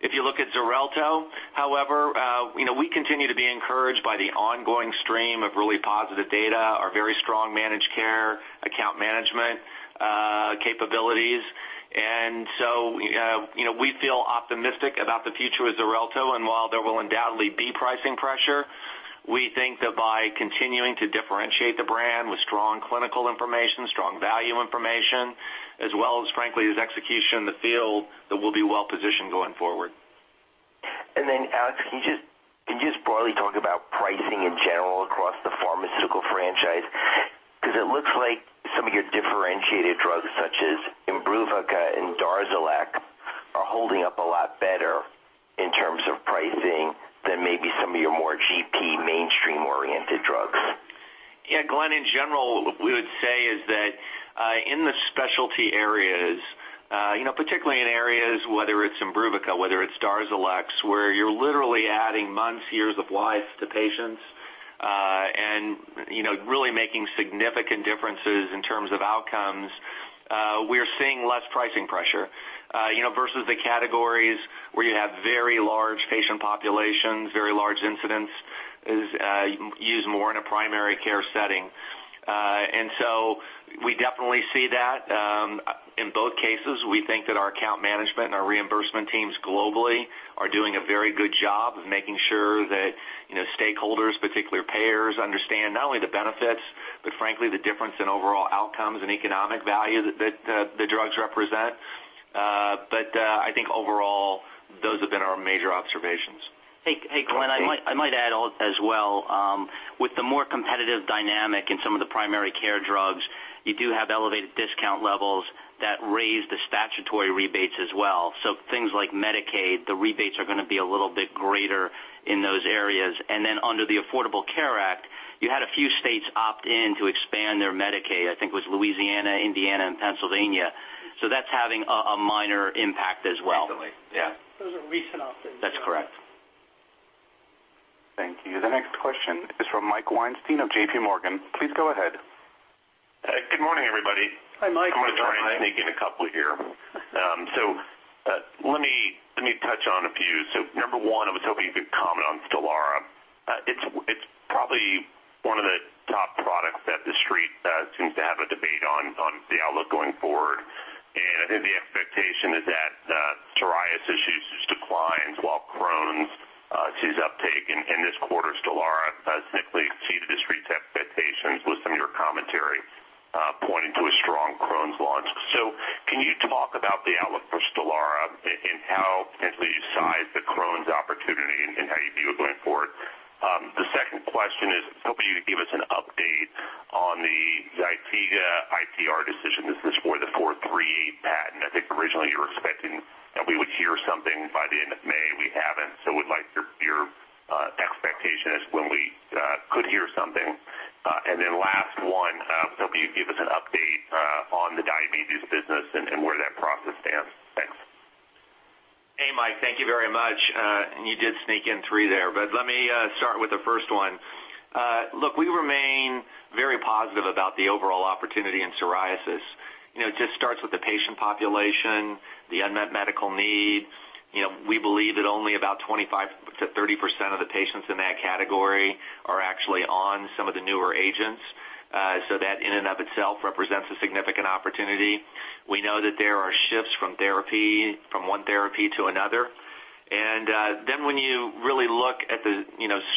If you look at XARELTO, however, we continue to be encouraged by the ongoing stream of really positive data, our very strong managed care, account management capabilities. We feel optimistic about the future with XARELTO. While there will undoubtedly be pricing pressure, we think that by continuing to differentiate the brand with strong clinical information, strong value information, as well as frankly as execution in the field, that we'll be well positioned going forward. Alex, can you just broadly talk about pricing in general across the pharmaceutical franchise? Because it looks like some of your differentiated drugs such as IMBRUVICA and DARZALEX are holding up a lot better in terms of pricing than maybe some of your more GP mainstream-oriented drugs. Glenn, in general in the specialty areas, particularly in areas whether it's IMBRUVICA, whether it's DARZALEX, where you're literally adding months, years of life to patients, and really making significant differences in terms of outcomes, we're seeing less pricing pressure. Versus the categories where you have very large patient populations, very large incidents, is used more in a primary care setting. We definitely see that in both cases. We think that our account management and our reimbursement teams globally are doing a very good job of making sure that stakeholders, particular payers, understand not only the benefits, but frankly, the difference in overall outcomes and economic value that the drugs represent. I think overall, those have been our major observations. Hey, Glenn, I might add as well, with the more competitive dynamic in some of the primary care drugs, you do have elevated discount levels that raise the statutory rebates as well. Things like Medicaid, the rebates are going to be a little bit greater in those areas. Under the Affordable Care Act, you had a few states opt in to expand their Medicaid, I think it was Louisiana, Indiana, and Pennsylvania. That's having a minor impact as well. Definitely. Yeah. Those are recent opting. That's correct. Thank you. The next question is from Mike Weinstein of JPMorgan. Please go ahead. Good morning, everybody. Hi, Mike. I'm going to try and sneak in a couple here. Let me touch on a few. Number one, I was hoping you could comment on STELARA. It's probably one of the top products that the Street seems to have a debate on the outlook going forward. I think the expectation is that psoriasis use declines while Crohn's sees uptake in this quarter, STELARA significantly exceeded the Street's expectations with some of your commentary pointing to a strong Crohn's launch. Can you talk about the outlook for STELARA and how potentially you size the Crohn's opportunity and how you view it going forward? The second question is, hoping you could give us an update on the ZYTIGA IPR decision. This is for the '438 patent. I think originally you were expecting that we would hear something by the end of May. We haven't. Would like your expectation as when we could hear something. Then last one, hoping you could give us an update on the diabetes business and where that process stands. Thanks. Hey, Mike, thank you very much. You did sneak in three there, but let me start with the first one. We remain very positive about the overall opportunity in psoriasis. It just starts with the patient population, the unmet medical need. We believe that only about 25%-30% of the patients in that category are actually on some of the newer agents. That in and of itself represents a significant opportunity. We know that there are shifts from one therapy to another. Then when you really look at the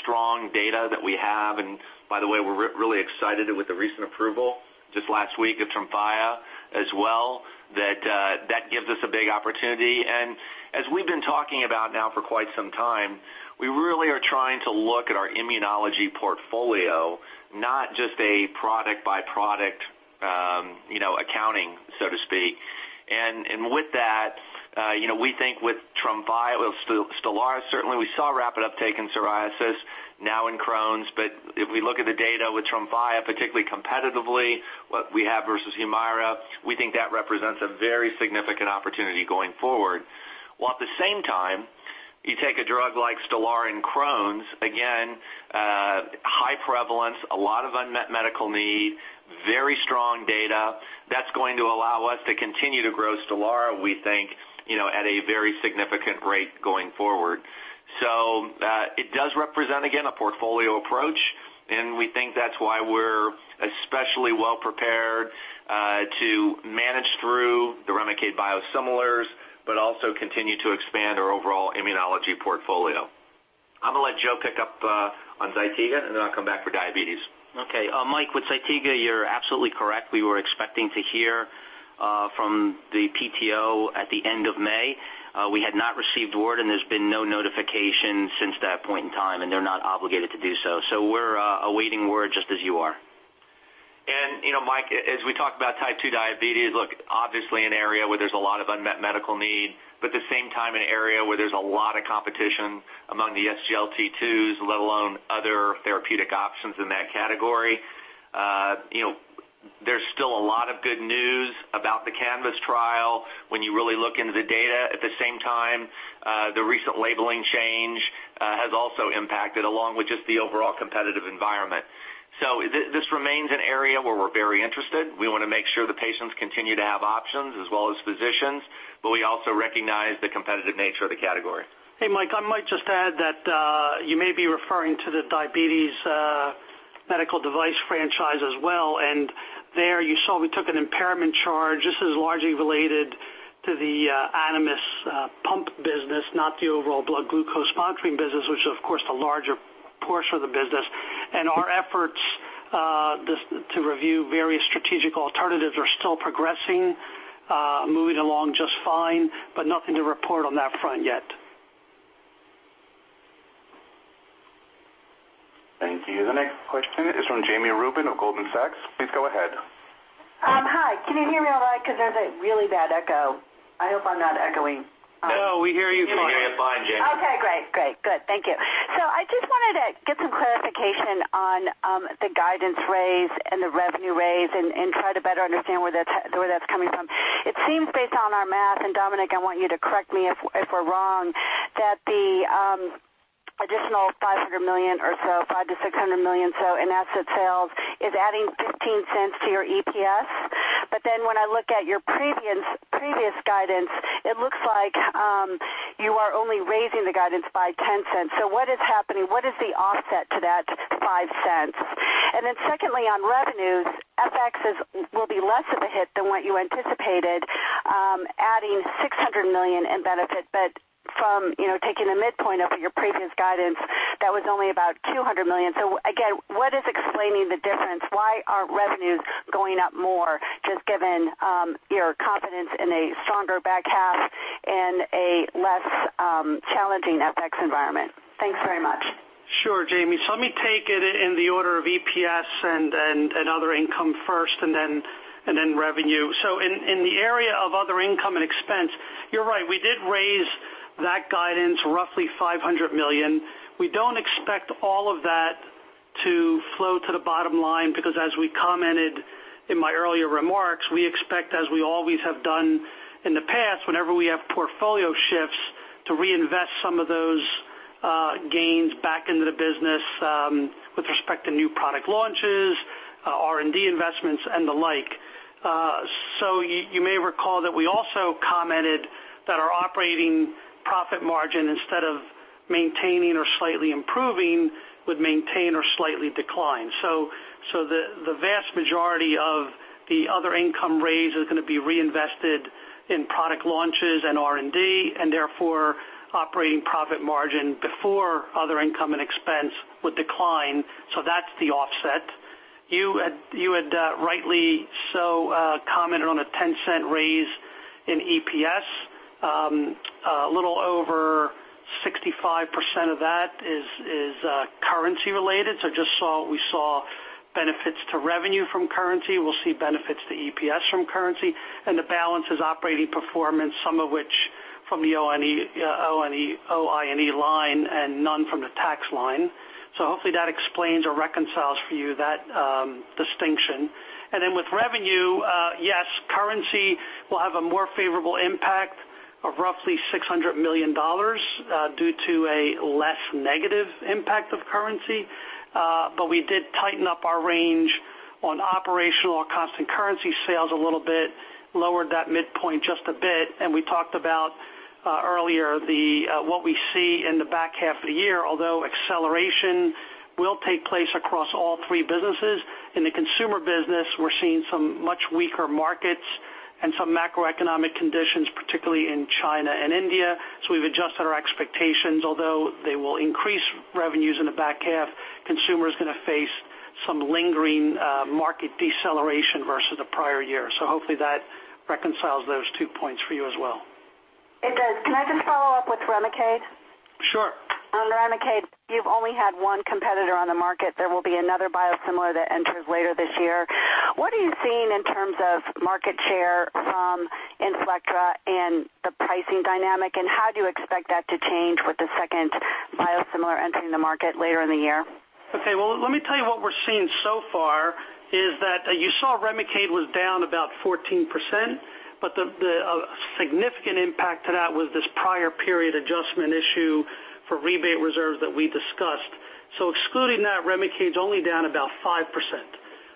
strong data that we have, and by the way, we're really excited with the recent approval just last week of TREMFYA as well, that gives us a big opportunity. As we've been talking about now for quite some time, we really are trying to look at our immunology portfolio, not just a product by product accounting, so to speak. With that, we think with STELARA, certainly we saw rapid uptake in psoriasis, now in Crohn's. If we look at the data with TREMFYA, particularly competitively, what we have versus HUMIRA, we think that represents a very significant opportunity going forward. While at the same time, you take a drug like STELARA and Crohn's, again, high prevalence, a lot of unmet medical need, very strong data. That's going to allow us to continue to grow STELARA, we think, at a very significant rate going forward. It does represent, again, a portfolio approach, and we think that's why we're especially well prepared to manage through the REMICADE biosimilars, but also continue to expand our overall immunology portfolio. I'm going to let Joe pick up on ZYTIGA, then I'll come back for diabetes. Okay. Mike, with ZYTIGA, you're absolutely correct. We were expecting to hear from the PTO at the end of May. We had not received word, and there's been no notification since that point in time, and they're not obligated to do so. We're awaiting word just as you are. Mike, as we talk about type 2 diabetes, look, obviously an area where there's a lot of unmet medical need, but at the same time, an area where there's a lot of competition among the SGLT2s, let alone other therapeutic options in that category. There's still a lot of good news about the CANVAS trial when you really look into the data. At the same time, the recent labeling change has also impacted, along with just the overall competitive environment. This remains an area where we're very interested. We want to make sure the patients continue to have options as well as physicians, but we also recognize the competitive nature of the category. Hey, Mike, I might just add that you may be referring to the diabetes medical device franchise as well. There you saw we took an impairment charge. This is largely related to the Animas pump business, not the overall blood glucose monitoring business, which is, of course, the larger portion of the business. Our efforts to review various strategic alternatives are still progressing, moving along just fine, but nothing to report on that front yet. Thank you. The next question is from Jami Rubin of Goldman Sachs. Please go ahead. Hi, can you hear me? Because there's a really bad echo. I hope I'm not echoing. No, we hear you fine. We hear you fine, Jami. Okay, great. Good. Thank you. I just wanted to get some clarification on the guidance raise and the revenue raise, and try to better understand where that's coming from. It seems based on our math, and Dominic, I want you to correct me if we're wrong, that the additional $500 million or so, $500 million-$600 million in asset sales is adding $0.15 to your EPS. When I look at your previous guidance, it looks like you are only raising the guidance by $0.10. What is happening? What is the offset to that $0.05? And then secondly, on revenues, FXs will be less of a hit than what you anticipated, adding $600 million in benefit. From taking the midpoint of your previous guidance, that was only about $200 million. Again, what is explaining the difference? Why aren't revenues going up more, just given your confidence in a stronger back half and a less challenging FX environment? Thanks very much. Sure, Jami. Let me take it in the order of EPS and other income first, and then revenue. In the area of other income and expense, you're right, we did raise that guidance roughly $500 million. We don't expect all of that to flow to the bottom line, because as we commented in my earlier remarks, we expect, as we always have done in the past, whenever we have portfolio shifts, to reinvest some of those gains back into the business with respect to new product launches, R&D investments, and the like. You may recall that we also commented that our operating profit margin, instead of maintaining or slightly improving, would maintain or slightly decline. The vast majority of the other income raise is going to be reinvested in product launches and R&D, and therefore operating profit margin before other income and expense would decline. That's the offset. You had rightly so commented on a $0.10 raise in EPS. A little over 65% of that is currency related. Just we saw benefits to revenue from currency. We'll see benefits to EPS from currency, and the balance is operating performance, some of which from the OI&E line and none from the tax line. Hopefully that explains or reconciles for you that distinction. With revenue, yes, currency will have a more favorable impact of roughly $600 million due to a less negative impact of currency. We did tighten up our range on operational or constant currency sales a little bit, lowered that midpoint just a bit. We talked about earlier what we see in the back half of the year, although acceleration will take place across all three businesses. In the consumer business, we're seeing some much weaker markets and some macroeconomic conditions, particularly in China and India. We've adjusted our expectations. Although they will increase revenues in the back half, consumer is going to face some lingering market deceleration versus the prior year. Hopefully that reconciles those two points for you as well. It does. Can I just follow up with REMICADE? Sure. On REMICADE, you've only had one competitor on the market. There will be another biosimilar that enters later this year. What are you seeing in terms of market share from INFLECTRA and the pricing dynamic, and how do you expect that to change with the second biosimilar entering the market later in the year? Okay. Well, let me tell you what we're seeing so far is that you saw REMICADE was down about 14%, but the significant impact to that was this prior period adjustment issue for rebate reserves that we discussed. Excluding that, REMICADE's only down about 5%.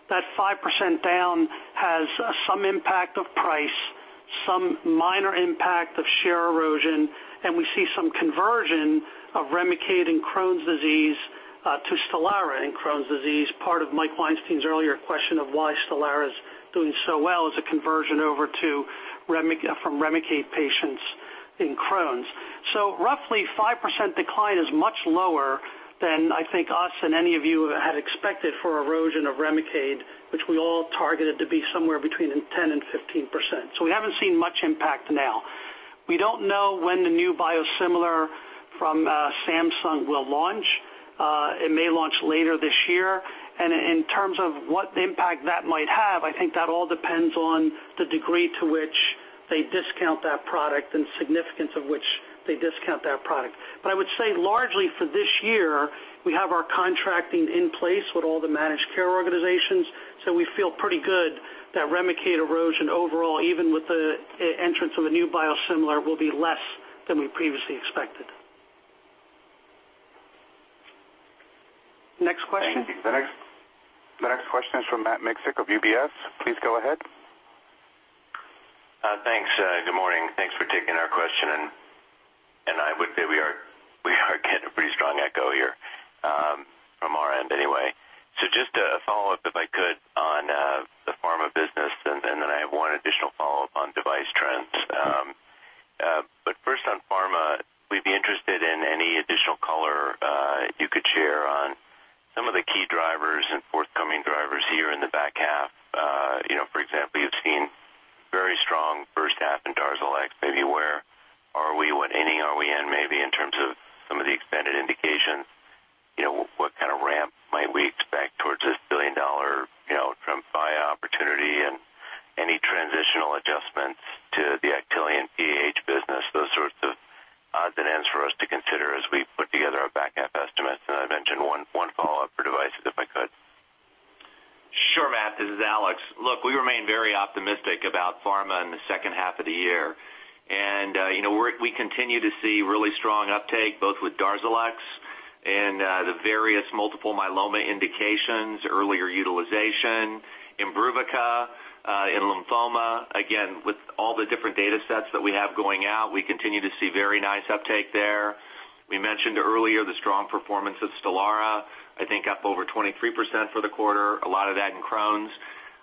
That 5% down has some impact of price, some minor impact of share erosion, and we see some conversion of REMICADE in Crohn's disease to STELARA in Crohn's disease. Part of Mike Weinstein's earlier question of why STELARA is doing so well is a conversion over from REMICADE patients in Crohn's. Roughly 5% decline is much lower than I think us and any of you had expected for erosion of REMICADE, which we all targeted to be somewhere between 10%-15%. We haven't seen much impact now. We don't know when the new biosimilar from Samsung will launch. It may launch later this year. In terms of what impact that might have, I think that all depends on the degree to which they discount that product and significance of which they discount that product. I would say largely for this year, we have our contracting in place with all the managed care organizations. We feel pretty good that REMICADE erosion overall, even with the entrance of a new biosimilar, will be less than we previously expected. Next question. Thank you. The next question is from Matt Miksic of UBS. Please go ahead. Thanks. Good morning. Thanks for taking our question. I would say we are getting a pretty strong echo here, from our end anyway. Just a follow-up, if I could, on the pharma business, I have one additional follow-up on device trends. First on pharma, we'd be interested in any additional color you could share on some of the key drivers and forthcoming drivers here in the back half. For example, you've seen various STELARA and DARZALEX, maybe where are we, what inning are we in maybe in terms of some of the expanded indications? What kind of ramp might we expect towards this $1 billion TREMFYA opportunity and any transitional adjustments to the Actelion PAH business? Those sorts of odd and ends for us to consider as we put together our back half estimates. I mentioned one follow-up for devices, if I could. Sure, Matt, this is Alex. Look, we remain very optimistic about pharma in the second half of the year. We continue to see really strong uptake, both with DARZALEX and the various multiple myeloma indications, earlier utilization, IMBRUVICA in lymphoma. Again, with all the different data sets that we have going out, we continue to see very nice uptake there. We mentioned earlier the strong performance of STELARA, I think up over 23% for the quarter, a lot of that in Crohn's.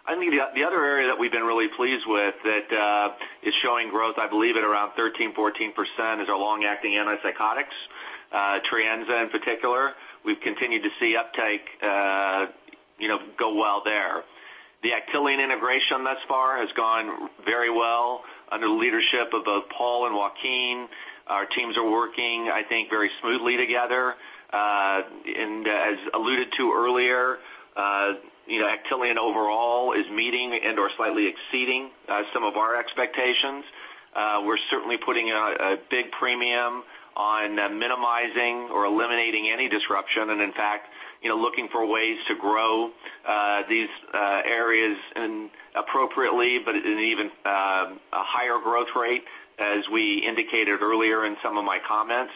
I think the other area that we've been really pleased with that is showing growth, I believe, at around 13%-14%, is our long-acting antipsychotics, TRINZA in particular. We've continued to see uptake go well there. The Actelion integration thus far has gone very well under the leadership of both Paul and Joaquin. Our teams are working, I think, very smoothly together. As alluded to earlier, Actelion overall is meeting and/or slightly exceeding some of our expectations. We're certainly putting a big premium on minimizing or eliminating any disruption. In fact, looking for ways to grow these areas appropriately, but at an even higher growth rate, as we indicated earlier in some of my comments.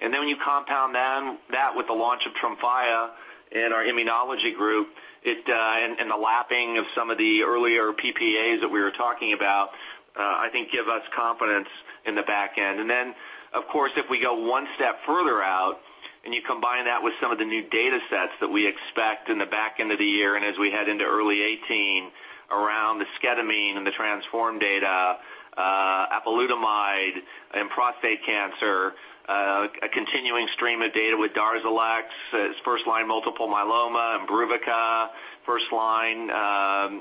When you compound that with the launch of TREMFYA in our immunology group, and the lapping of some of the earlier PPAs that we were talking about, I think give us confidence in the back end. Of course, if we go one step further out and you combine that with some of the new data sets that we expect in the back end of the year and as we head into early 2018 around esketamine and the TRANSFORM data, apalutamide in prostate cancer, a continuing stream of data with DARZALEX as first-line multiple myeloma, IMBRUVICA, first line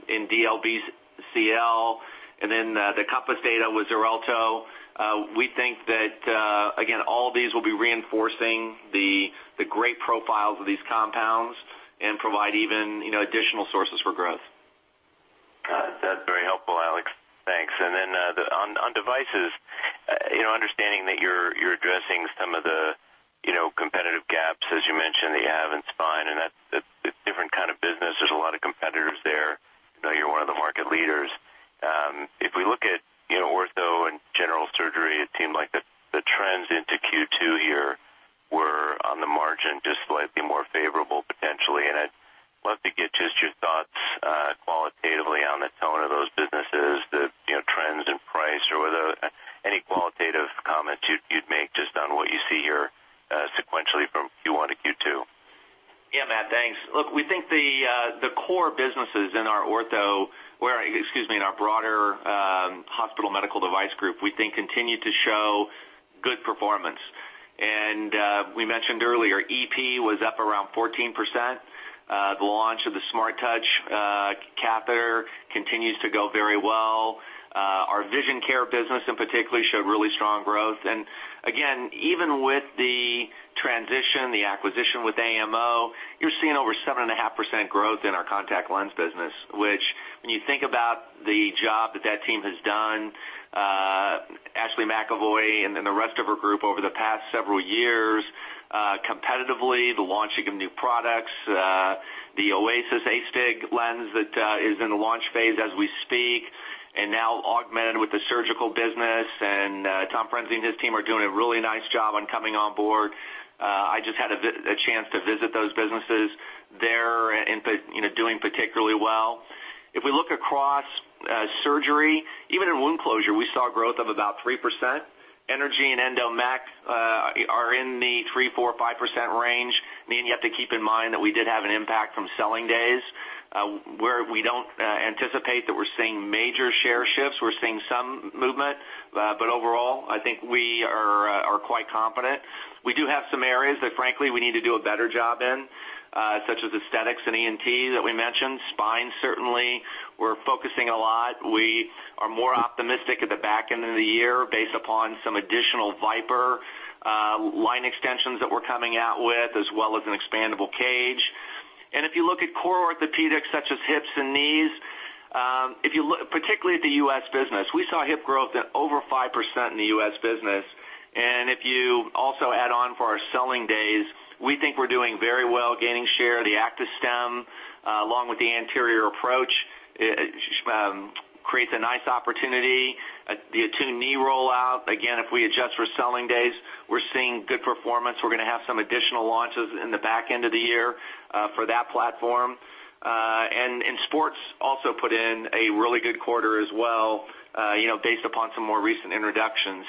in DLBCL, the COMPASS data with XARELTO. We think that, again, all these will be reinforcing the great profiles of these compounds and provide even additional sources for growth. That's very helpful, Alex. Thanks. On devices, understanding that you're addressing some of the competitive gaps as you mentioned that you have in spine and that's a different kind of business. There's a lot of competitors there. You're one of the market leaders. If we look at ortho and general surgery, it seemed like the trends into Q2 here were on the margin just slightly more favorable potentially, and I'd love to get just your thoughts qualitatively on the tone of those businesses, the trends in price or any qualitative comments you'd make just on what you see here sequentially from Q1 to Q2. Matt, thanks. Look, we think the core businesses in our broader hospital medical device group, we think, continue to show good performance. We mentioned earlier, EP was up around 14%. The launch of the SmartTouch catheter continues to go very well. Our vision care business in particular showed really strong growth. Again, even with the transition, the acquisition with AMO, you're seeing over 7.5% growth in our contact lens business, which when you think about the job that that team has done, Ashley McEvoy and the rest of her group over the past several years competitively, the launching of new products, the Oasys Astig lens that is in the launch phase as we speak, and now augmented with the surgical business. Tom Freni and his team are doing a really nice job on coming on board. I just had a chance to visit those businesses. They're doing particularly well. If we look across surgery, even in wound closure, we saw growth of about 3%. Energy and endomech are in the 3%-5% range, meaning you have to keep in mind that we did have an impact from selling days. We don't anticipate that we're seeing major share shifts. We're seeing some movement, but overall, I think we are quite confident. We do have some areas that frankly, we need to do a better job in such as aesthetics and ENT that we mentioned. Spine, certainly, we're focusing a lot. We are more optimistic at the back end of the year based upon some additional VIPER line extensions that we're coming out with, as well as an expandable cage. If you look at core orthopedics such as hips and knees, particularly at the U.S. business, we saw hip growth at over 5% in the U.S. business, and if you also add on for our selling days, we think we're doing very well gaining share. The ACTIS stem, along with the anterior approach, creates a nice opportunity. The ATTUNE knee rollout, again, if we adjust for selling days, we're seeing good performance. We're going to have some additional launches in the back end of the year for that platform. Sports also put in a really good quarter as well based upon some more recent introductions.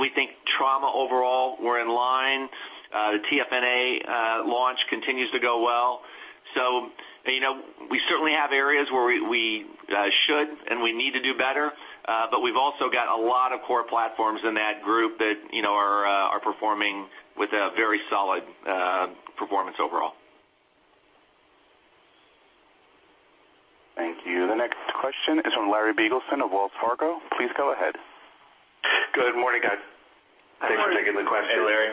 We think trauma overall, we're in line. The TFNA launch continues to go well. We certainly have areas where we should and we need to do better, but we've also got a lot of core platforms in that group that are performing with a very solid performance overall. Thank you. The next question is from Larry Biegelsen of Wells Fargo. Please go ahead. Good morning, guys. Good morning. Thanks for taking the question. Hey, Larry.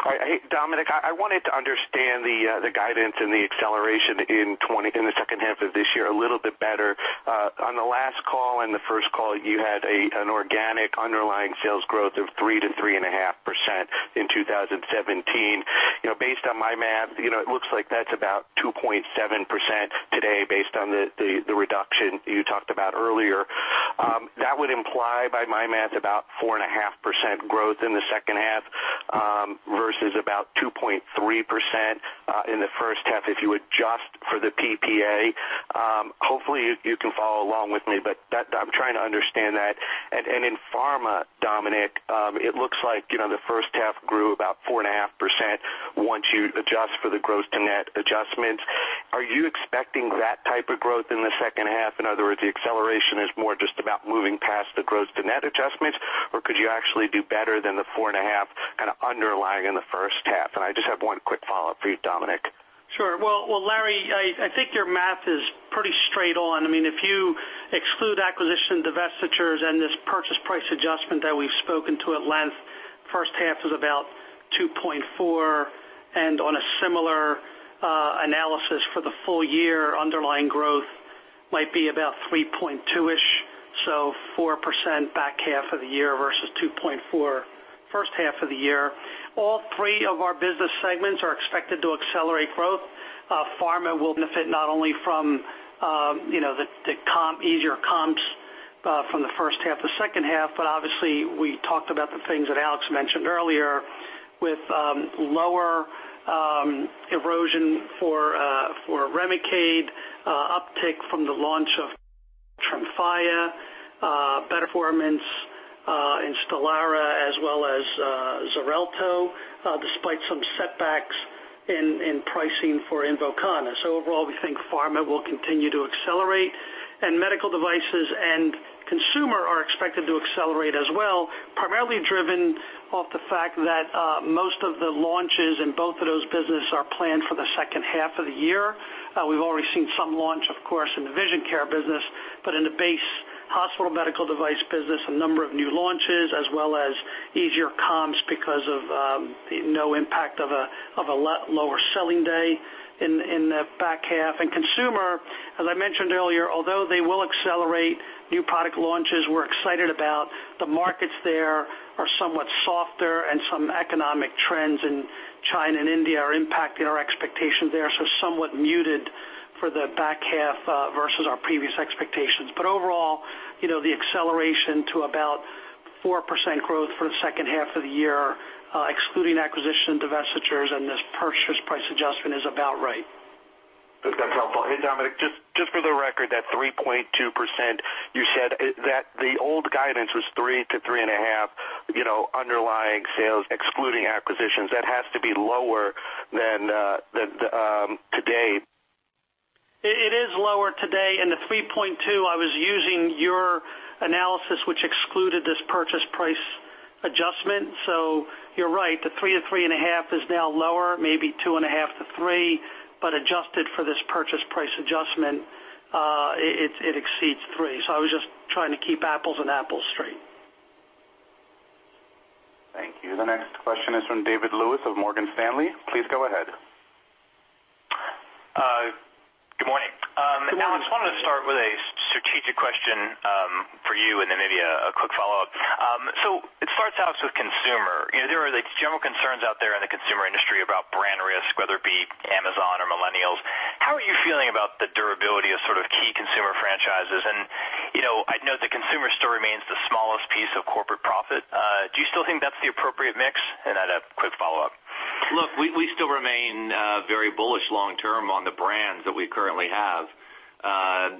All right. Dominic, I wanted to understand the guidance and the acceleration in the second half of this year a little bit better. On the last call and the first call, you had an organic underlying sales growth of 3%-3.5% in 2017. Based on my math, it looks like that's about 2.7% today based on the reduction you talked about earlier. That would imply, by my math, about 4.5% growth in the second half versus about 2.3% in the first half if you adjust for the PPA. Hopefully, you can follow along with me, but I'm trying to understand that. In pharma, Dominic, it looks like the first half grew about 4.5% once you adjust for the gross-to-net adjustments. Are you expecting that type of growth in the second half? In other words, the acceleration is more just about moving past the gross-to-net adjustments, or could you actually do better than the 4.5% kind of underlying in the first half? I just have one quick follow-up for you, Dominic. Sure. Well, Larry, I think your math is pretty straight on. If you exclude acquisition divestitures and this purchase price adjustment that we've spoken to at length, first half is about 2.4. On a similar analysis for the full year, underlying growth might be about 3.2, so 4% back half of the year versus 2.4 first half of the year. All three of our business segments are expected to accelerate growth. Pharma will benefit not only from the easier comps from the first half to second half, but obviously, we talked about the things that Alex mentioned earlier with lower erosion for REMICADE, uptake from the launch of TREMFYA, better performance in STELARA, as well as XARELTO, despite some setbacks in pricing for INVOKANA. Overall, we think pharma will continue to accelerate, medical devices and consumer are expected to accelerate as well, primarily driven off the fact that most of the launches in both of those businesses are planned for the second half of the year. We've already seen some launch, of course, in the vision care business, but in the base hospital medical device business, a number of new launches, as well as easier comps because of no impact of a lower selling day in the back half. Consumer, as I mentioned earlier, although they will accelerate new product launches we're excited about, the markets there are somewhat softer and some economic trends in China and India are impacting our expectations there, so somewhat muted for the back half versus our previous expectations. Overall, the acceleration to about 4% growth for the second half of the year, excluding acquisition divestitures and this purchase price adjustment is about right. That's helpful. Hey, Dominic, just for the record, that 3.2%, you said that the old guidance was 3%-3.5% underlying sales, excluding acquisitions. That has to be lower than today. It is lower today. In the 3.2%, I was using your analysis, which excluded this purchase price adjustment. You're right, the 3%-3.5% is now lower, maybe 2.5%-3%, but adjusted for this purchase price adjustment, it exceeds 3%. I was just trying to keep apples and apples straight. Thank you. The next question is from David Lewis of Morgan Stanley. Please go ahead. Good morning. Good morning. Alex, wanted to start with a strategic question for you and then maybe a quick follow-up. It starts out with consumer. There are general concerns out there in the consumer industry about brand risk, whether it be Amazon or millennials. How are you feeling about the durability of sort of key consumer franchises? I'd note the consumer still remains the smallest piece of corporate profit. Do you still think that's the appropriate mix? I'd have quick follow-up. Look, we still remain very bullish long term on the brands that we currently have. A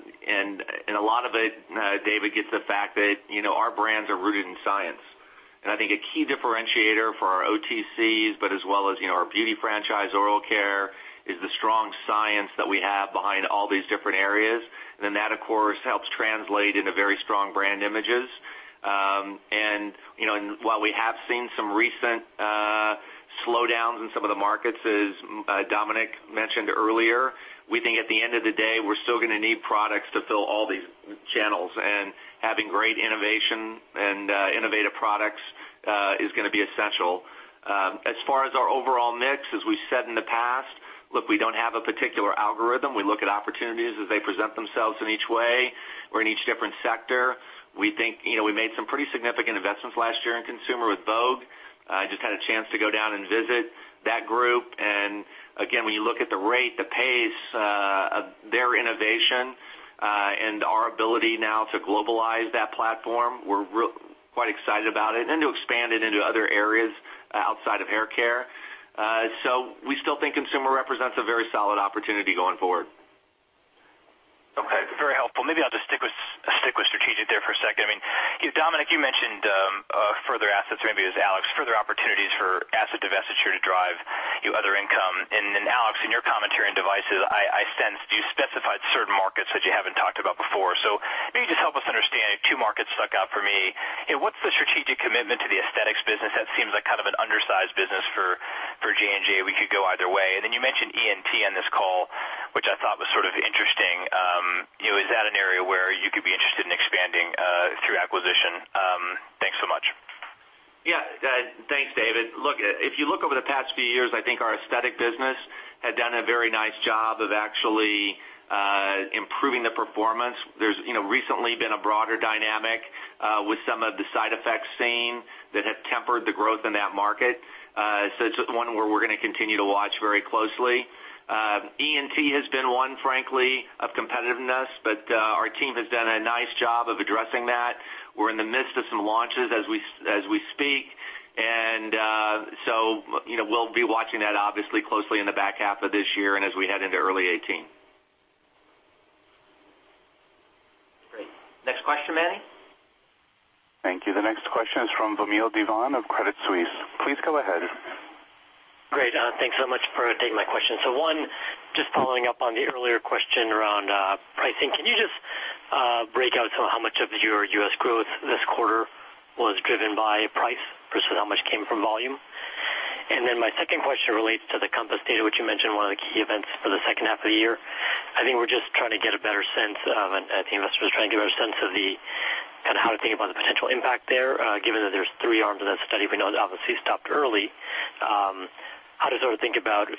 lot of it, David, gets the fact that our brands are rooted in science. I think a key differentiator for our OTCs, but as well as our beauty franchise oral care, is the strong science that we have behind all these different areas. That, of course, helps translate into very strong brand images. While we have seen some recent slowdowns in some of the markets, as Dominic mentioned earlier, we think at the end of the day, we're still going to need products to fill all these channels. Having great innovation and innovative products is going to be essential. As far as our overall mix, as we've said in the past, look, we don't have a particular algorithm. We look at opportunities as they present themselves in each way or in each different sector. We think we made some pretty significant investments last year in consumer with OGX. I just had a chance to go down and visit that group. Again, when you look at the rate, the pace of their innovation, and our ability now to globalize that platform, we're quite excited about it and to expand it into other areas outside of hair care. We still think consumer represents a very solid opportunity going forward. Okay. Very helpful. Maybe I'll just stick with strategic there for a second. Dominic, you mentioned further assets, or maybe it was Alex, further opportunities for asset divestiture to drive other income. Alex, in your commentary on devices, I sensed you specified certain markets that you haven't talked about before. Maybe just help us understand. Two markets stuck out for me. What's the strategic commitment to the aesthetics business? That seems like kind of an undersized business for J&J. We could go either way. You mentioned ENT on this call, which I thought was sort of interesting. Is that an area where you could be interested in expanding through acquisition? Thanks, David. If you look over the past few years, I think our aesthetic business had done a very nice job of actually improving the performance. There's recently been a broader dynamic with some of the side effects seen that have tempered the growth in that market. It's one where we're going to continue to watch very closely. ENT has been one, frankly, of competitiveness, but our team has done a nice job of addressing that. We're in the midst of some launches as we speak, and we'll be watching that obviously closely in the back half of this year and as we head into early 2018. Great. Next question, Manny? Thank you. The next question is from Vamil Divan of Credit Suisse. Please go ahead. Great. Thanks so much for taking my question. One, just following up on the earlier question around pricing, can you just break out how much of your U.S. growth this quarter was driven by price versus how much came from volume? My second question relates to the COMPASS data, which you mentioned one of the key events for the second half of the year. I think we're just trying to get a better sense of, and I think investors are trying to get a better sense of the, kind of how to think about the potential impact there, given that there's three arms of that study we know obviously stopped early. How to sort of think about as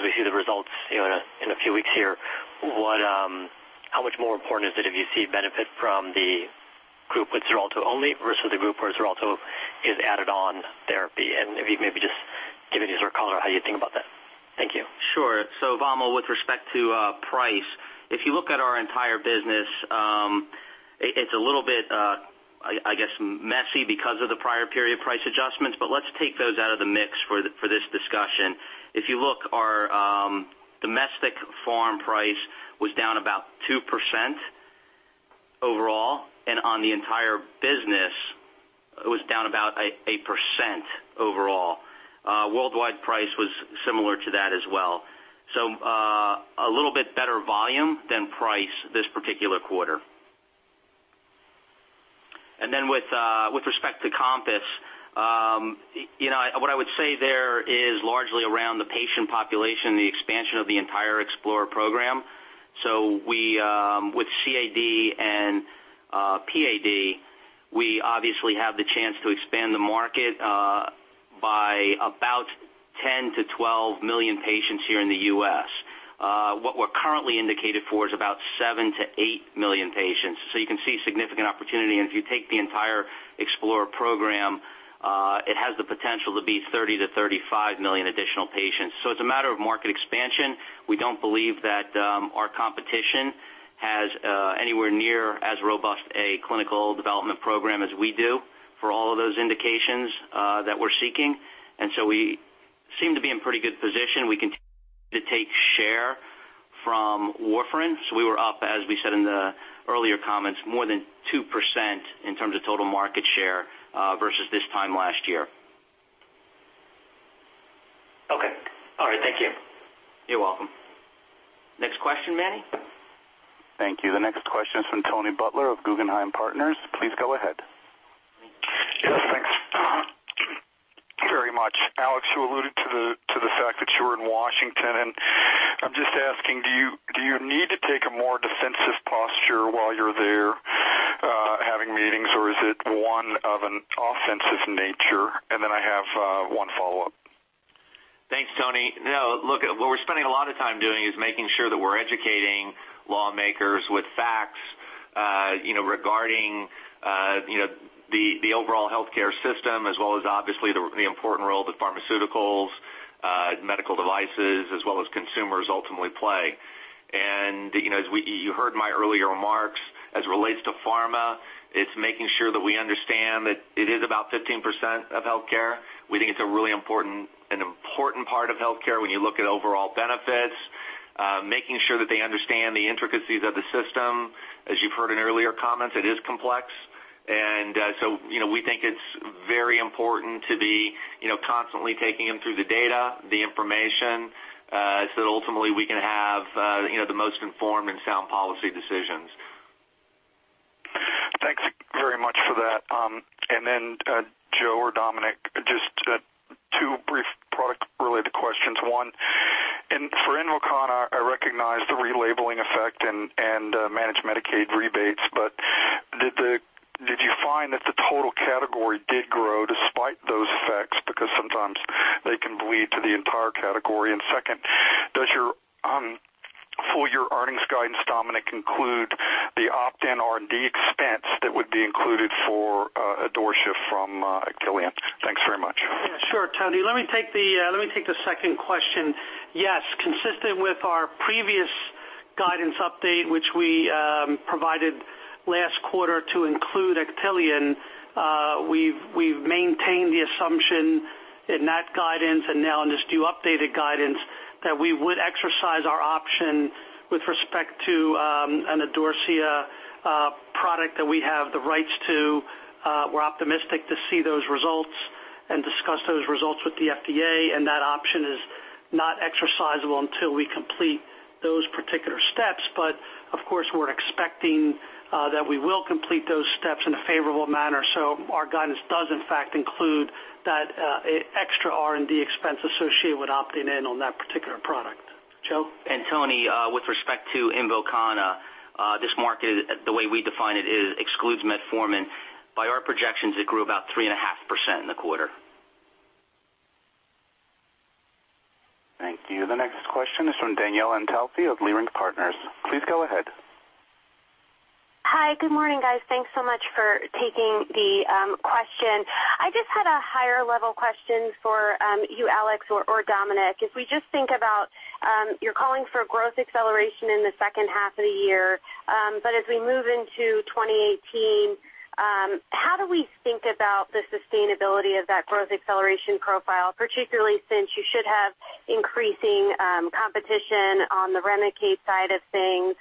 we see the results in a few weeks here, how much more important is it if you see benefit from the group with XARELTO only versus the group where XARELTO is added on therapy? If you maybe just give me your sort of color on how you think about that. Thank you. Sure. Vamil, with respect to price, if you look at our entire business, it's a little bit, I guess, messy because of the prior period price adjustments, but let's take those out of the mix for this discussion. If you look, our domestic form price was down about 2% overall, and on the entire business, it was down about 8% overall. Worldwide price was similar to that as well. A little bit better volume than price this particular quarter. With respect to COMPASS, what I would say there is largely around the patient population, the expansion of the entire EXPLORER program. With CAD and PAD, we obviously have the chance to expand the market by about 10 million to 12 million patients here in the U.S. What we're currently indicated for is about 7 million to 8 million patients. You can see significant opportunity, and if you take the entire EXPLORER program, it has the potential to be 30 million to 35 million additional patients. It's a matter of market expansion. We don't believe that our competition has anywhere near as robust a clinical development program as we do for all of those indications that we're seeking. We seem to be in pretty good position. We continue to take share from warfarin. We were up, as we said in the earlier comments, more than 2% in terms of total market share versus this time last year. Okay. All right. Thank you. You're welcome. Next question, Manny. Thank you. The next question is from Tony Butler of Guggenheim Partners. Please go ahead. Yes, thanks very much. Alex, you alluded to the fact that you were in Washington. Then I'm just asking, do you need to take a more defensive posture while you're there having meetings, or is it one of an offensive nature? Then I have one follow-up. Thanks, Tony. No, look, what we're spending a lot of time doing is making sure that we're educating lawmakers with facts regarding the overall healthcare system as well as obviously the important role that pharmaceuticals, medical devices, as well as consumers ultimately play. As you heard my earlier remarks, as it relates to pharma, it's making sure that we understand that it is about 15% of healthcare. We think it's a really important part of healthcare when you look at overall benefits, making sure that they understand the intricacies of the system. As you've heard in earlier comments, it is complex. So we think it's very important to be constantly taking them through the data, the information, so that ultimately we can have the most informed and sound policy decisions. Thanks very much for that. Joe or Dominic, just two brief product-related questions. One, for INVOKANA, I recognize the relabeling effect and Managed Medicaid rebates, but did you find that the total category did grow despite those effects? Because sometimes they can bleed to the entire category. Second, does your full-year earnings guidance, Dominic, include the opt-in R&D expense that would be included for Idorsia from Actelion? Thanks very much. Sure, Tony. Let me take the second question. Yes, consistent with our previous guidance update, which we provided last quarter to include Actelion, we've maintained the assumption in that guidance and now in this new updated guidance that we would exercise our option with respect to an Idorsia product that we have the rights to. We're optimistic to see those results and discuss those results with the FDA, and that option is not exercisable until we complete those particular steps. Of course, we're expecting that we will complete those steps in a favorable manner. Our guidance does in fact include that extra R&D expense associated with opting in on that particular product. Joe and Tony, with respect to INVOKANA, this market, the way we define it, excludes metformin. By our projections, it grew about 3.5% in the quarter. Thank you. The next question is from Danielle Antalffy of Leerink Partners. Please go ahead. Hi. Good morning, guys. Thanks so much for taking the question. I just had a higher-level question for you, Alex or Dominic. We just think about you're calling for growth acceleration in the second half of the year. As we move into 2018, how do we think about the sustainability of that growth acceleration profile, particularly since you should have increasing competition on the REMICADE side of things?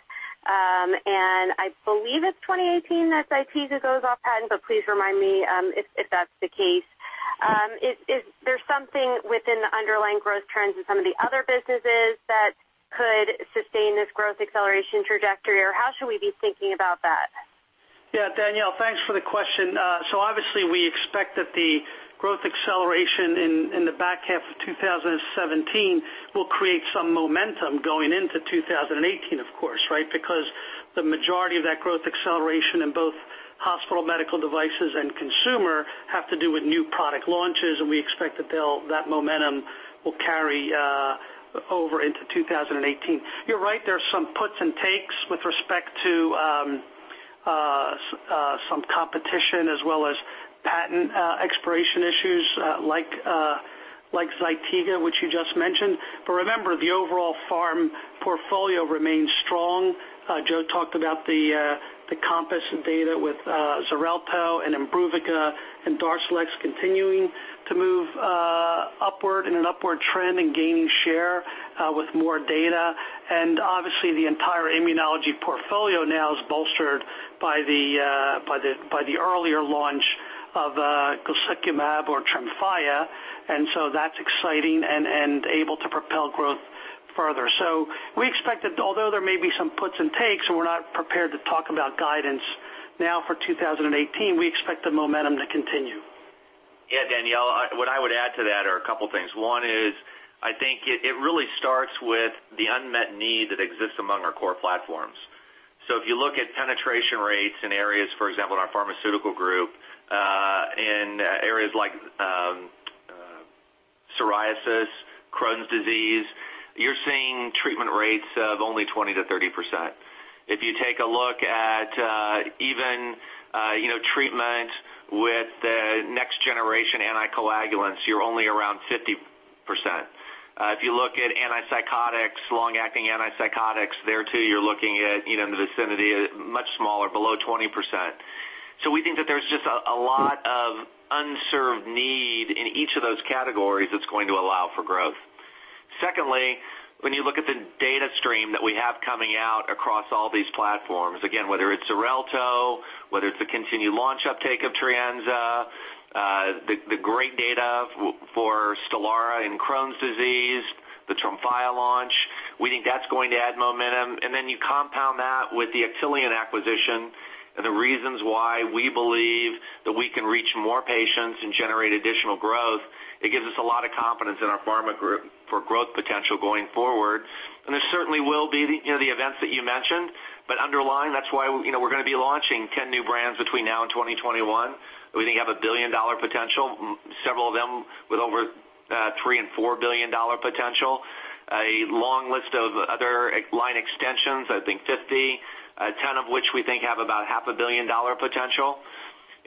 I believe it's 2018 that ZYTIGA goes off patent, but please remind me if that's the case. Is there something within the underlying growth trends in some of the other businesses that could sustain this growth acceleration trajectory, or how should we be thinking about that? Yeah, Danielle, thanks for the question. Obviously, we expect that the growth acceleration in the back half of 2017 will create some momentum going into 2018, of course, right? Because the majority of that growth acceleration in both hospital medical devices and consumer have to do with new product launches, and we expect that momentum will carry over into 2018. You're right, there's some puts and takes with respect to some competition, as well as patent expiration issues like ZYTIGA, which you just mentioned. Remember, the overall pharm portfolio remains strong. Joe talked about the COMPASS data with XARELTO and IMBRUVICA and DARZALEX continuing to move upward in an upward trend and gaining share with more data. Obviously, the entire immunology portfolio now is bolstered by the earlier launch of guselkumab or TREMFYA, and that's exciting and able to propel growth further. We expect that although there may be some puts and takes, and we're not prepared to talk about guidance now for 2018, we expect the momentum to continue. Yeah, Danielle, what I would add to that are a couple things. One is, I think it really starts with the unmet need that exists among our core platforms. If you look at penetration rates in areas, for example, in our pharmaceutical group, in areas like psoriasis, Crohn's disease, you're seeing treatment rates of only 20%-30%. If you take a look at even treatment with the next generation anticoagulants, you're only around 50%. If you look at antipsychotics, long-acting antipsychotics, there too, you're looking at in the vicinity, much smaller, below 20%. We think that there's just a lot of unserved need in each of those categories that's going to allow for growth. Secondly, when you look at the data stream that we have coming out across all these platforms, again, whether it's XARELTO, whether it's the continued launch uptake of TRINZA, the great data for STELARA in Crohn's disease, the TREMFYA launch, we think that's going to add momentum. Then you compound that with the Actelion acquisition and the reasons why we believe that we can reach more patients and generate additional growth, it gives us a lot of confidence in our pharma group for growth potential going forward. There certainly will be the events that you mentioned, but underlying, that's why we're going to be launching 10 new brands between now and 2021. We think have a billion-dollar potential, several of them with over three and four billion dollar potential. A long list of other line extensions, I think 50, 10 of which we think have about half a billion dollar potential.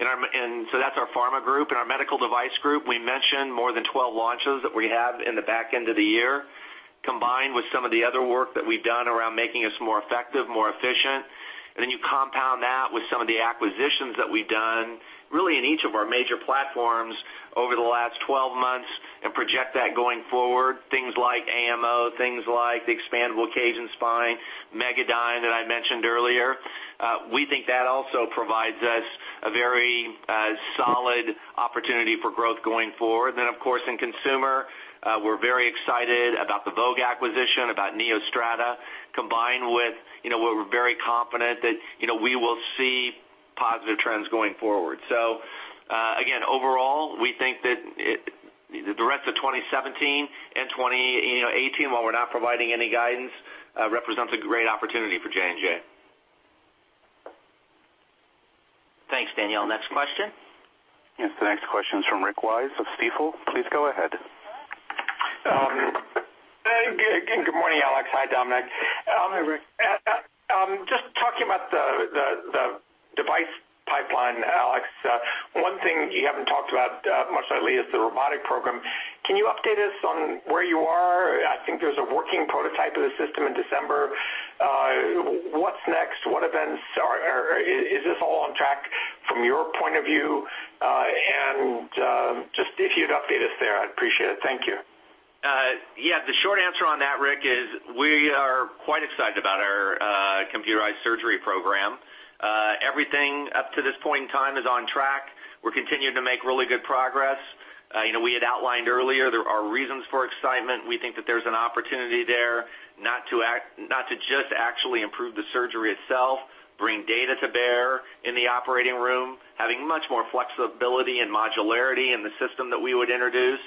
So that's our pharma group. In our medical device group, we mentioned more than 12 launches that we have in the back end of the year, combined with some of the other work that we've done around making us more effective, more efficient. Then you compound that with some of the acquisitions that we've done really in each of our major platforms over the last 12 months and project that going forward. Things like AMO, things like the expandable cage and spine, Megadyne that I mentioned earlier. We think that also provides us a very solid opportunity for growth going forward. Then, of course, in consumer, we're very excited about the Vogue acquisition, about NeoStrata, combined with we're very confident that we will see positive trends going forward. Again, overall, we think that the rest of 2017 and 2018, while we're not providing any guidance, represents a great opportunity for J&J. Thanks, Danielle. Next question. Yes, the next question is from Rick Wise of Stifel. Please go ahead. Good morning, Alex. Hi, Dominic. Just talking about the device pipeline, Alex. One thing you haven't talked about much lately is the robotic program. Can you update us on where you are? I think there's a working prototype of the system in December. What's next? Is this all on track from your point of view? Just if you'd update us there, I'd appreciate it. Thank you. Yeah. The short answer on that, Rick, is we are quite excited about our computerized surgery program. Everything up to this point in time is on track. We're continuing to make really good progress. We had outlined earlier there are reasons for excitement. We think that there's an opportunity there not to just actually improve the surgery itself, bring data to bear in the operating room, having much more flexibility and modularity in the system that we would introduce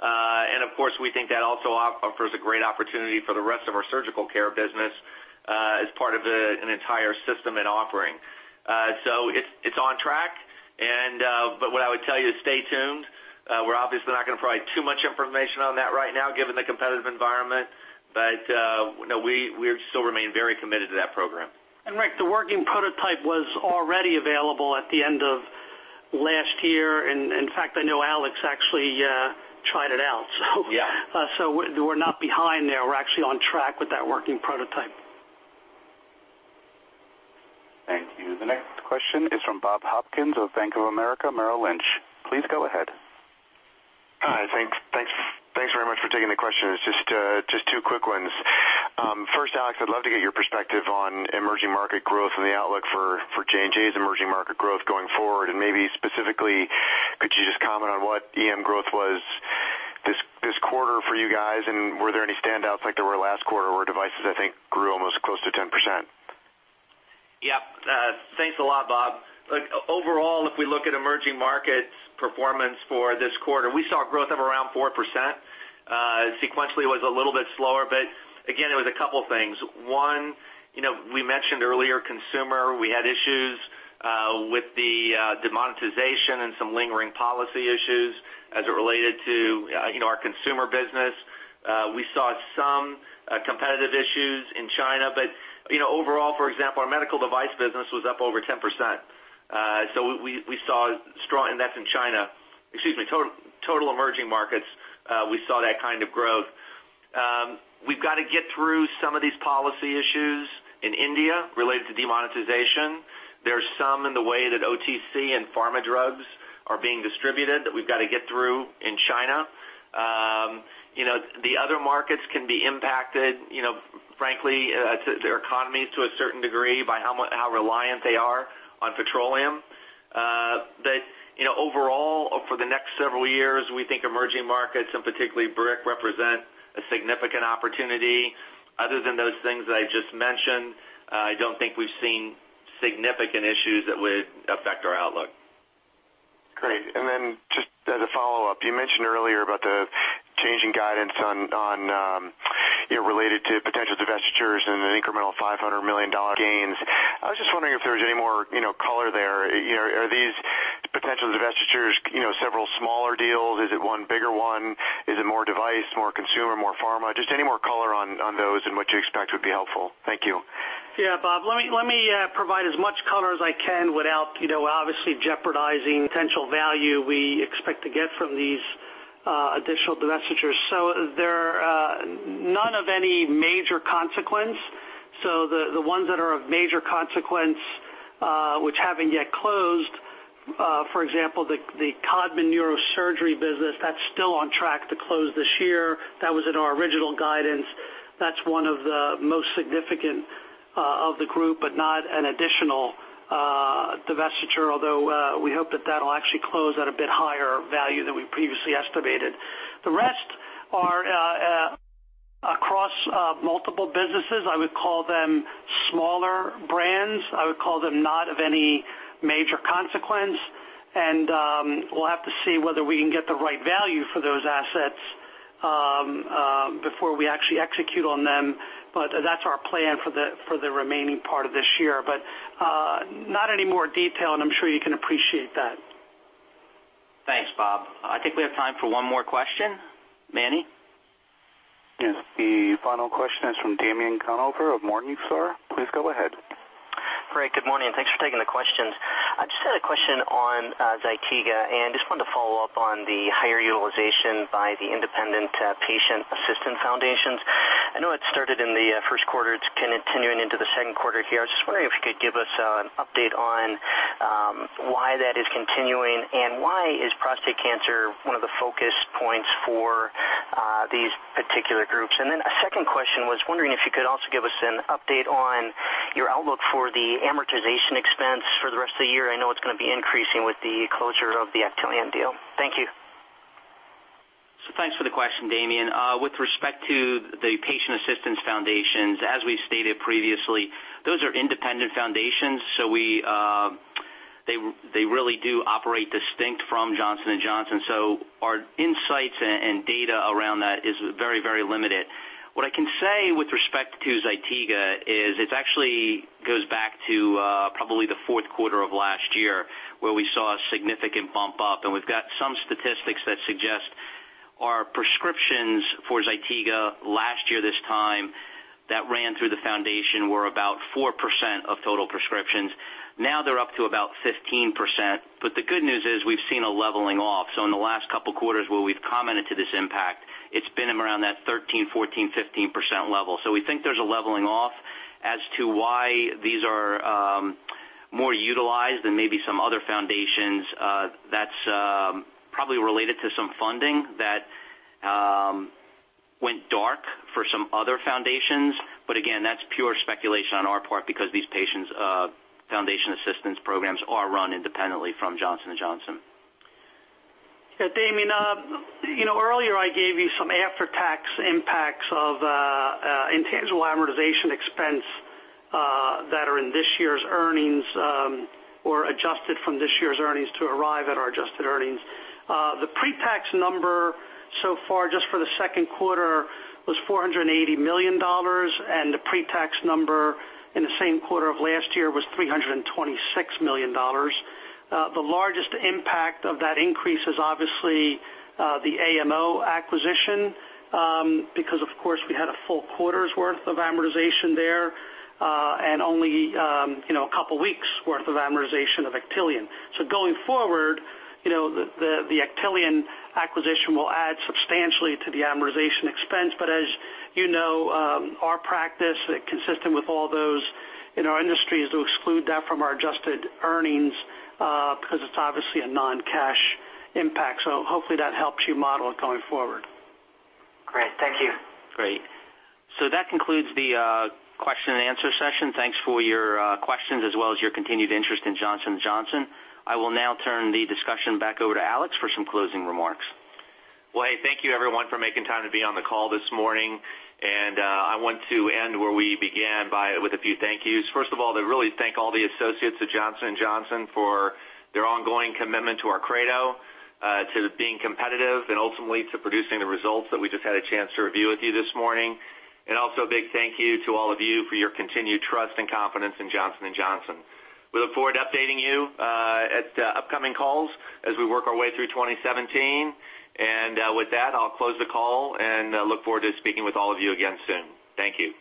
Of course, we think that also offers a great opportunity for the rest of our surgical care business as part of an entire system and offering. It's on track, but what I would tell you is stay tuned. We're obviously not going to provide too much information on that right now given the competitive environment. No, we still remain very committed to that program. Rick, the working prototype was already available at the end of last year. In fact, I know Alex actually tried it out. Yeah. We're not behind there. We're actually on track with that working prototype. Thank you. The next question is from Bob Hopkins of Bank of America Merrill Lynch. Please go ahead. Hi. Thanks very much for taking the questions. Just two quick ones. First, Alex, I'd love to get your perspective on emerging market growth and the outlook for J&J's emerging market growth going forward, and maybe specifically could you just comment on what EM growth was this quarter for you guys and were there any standouts like there were last quarter where devices, I think, grew almost close to 10%? Thanks a lot, Bob. Look, overall, if we look at emerging markets' performance for this quarter, we saw growth of around 4%. Sequentially, it was a little bit slower, but again, it was a couple things. One, we mentioned earlier consumer, we had issues with the demonetization and some lingering policy issues as it related to our consumer business. We saw some competitive issues in China, but overall, for example, our medical device business was up over 10%. That's in China. Excuse me, total emerging markets, we saw that kind of growth. We've got to get through some of these policy issues in India related to demonetization. There's some in the way that OTC and pharma drugs are being distributed that we've got to get through in China. The other markets can be impacted, frankly, their economies to a certain degree by how reliant they are on petroleum. Overall, for the next several years, we think emerging markets, and particularly BRIC, represent a significant opportunity. Other than those things that I just mentioned, I don't think we've seen significant issues that would affect our outlook. Great. Just as a follow-up, you mentioned earlier about the change in guidance related to potential divestitures and an incremental $500 million gains. I was just wondering if there was any more color there. Are these potential divestitures several smaller deals? Is it one bigger one? Is it more device, more consumer, more pharma? Just any more color on those and what you expect would be helpful. Thank you. Yeah, Bob, let me provide as much color as I can without obviously jeopardizing potential value we expect to get from these additional divestitures. They're none of any major consequence. The ones that are of major consequence, which haven't yet closed, for example, the Codman Neurosurgery business, that's still on track to close this year. That was in our original guidance. That's one of the most significant of the group, but not an additional divestiture, although we hope that that'll actually close at a bit higher value than we previously estimated. The rest are across multiple businesses. I would call them smaller brands. I would call them not of any major consequence, and we'll have to see whether we can get the right value for those assets before we actually execute on them. That's our plan for the remaining part of this year, but not any more detail, and I'm sure you can appreciate that. Thanks, Bob. I think we have time for one more question. Manny? Yes, the final question is from Damien Conover of Morningstar. Please go ahead. Great. Good morning. Thanks for taking the questions. I just had a question on ZYTIGA, and just wanted to follow up on the higher utilization by the independent patient assistance foundations. I know it's started in the first quarter, it's continuing into the second quarter here. I was just wondering if you could give us an update on why that is continuing, and why is prostate cancer one of the focus points for these particular groups? A second question was wondering if you could also give us an update on your outlook for the amortization expense for the rest of the year. I know it's going to be increasing with the closure of the Actelion deal. Thank you. Thanks for the question, Damien. With respect to the patient assistance foundations, as we've stated previously, those are independent foundations, they really do operate distinct from Johnson & Johnson. Our insights and data around that is very limited. What I can say with respect to ZYTIGA is it actually goes back to probably the fourth quarter of last year where we saw a significant bump up, and we've got some statistics that suggest our prescriptions for ZYTIGA last year this time that ran through the foundation were about 4% of total prescriptions. Now they're up to about 15%, but the good news is we've seen a leveling off. In the last couple of quarters where we've commented to this impact, it's been around that 13%, 14%, 15% level. We think there's a leveling off. As to why these are more utilized than maybe some other foundations, that's probably related to some funding that went dark for some other foundations. Again, that's pure speculation on our part because these patients foundation assistance programs are run independently from Johnson & Johnson. Damien, earlier I gave you some after-tax impacts of intangible amortization expense That are in this year's earnings or adjusted from this year's earnings to arrive at our adjusted earnings. The pre-tax number so far, just for the second quarter, was $480 million, and the pre-tax number in the same quarter of last year was $326 million. The largest impact of that increase is obviously the AMO acquisition. Because of course, we had a full quarter's worth of amortization there, and only a couple of weeks' worth of amortization of Actelion. Going forward, the Actelion acquisition will add substantially to the amortization expense. As you know our practice, consistent with all those in our industry, is to exclude that from our adjusted earnings, because it's obviously a non-cash impact. Hopefully that helps you model it going forward. Great. Thank you. Great. That concludes the question and answer session. Thanks for your questions as well as your continued interest in Johnson & Johnson. I will now turn the discussion back over to Alex for some closing remarks. Well, hey, thank you everyone for making time to be on the call this morning. I want to end where we began with a few thank yous. First of all, to really thank all the associates at Johnson & Johnson for their ongoing commitment to our credo, to being competitive, and ultimately, to producing the results that we just had a chance to review with you this morning. Also a big thank you to all of you for your continued trust and confidence in Johnson & Johnson. We look forward to updating you at upcoming calls as we work our way through 2017. With that, I'll close the call and look forward to speaking with all of you again soon. Thank you.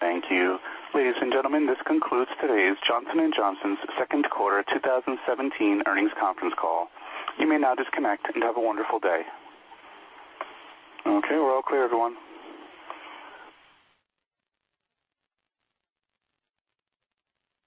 Thank you. Ladies and gentlemen, this concludes today's Johnson & Johnson second quarter 2017 earnings conference call. You may now disconnect and have a wonderful day. Okay, we're all clear, everyone.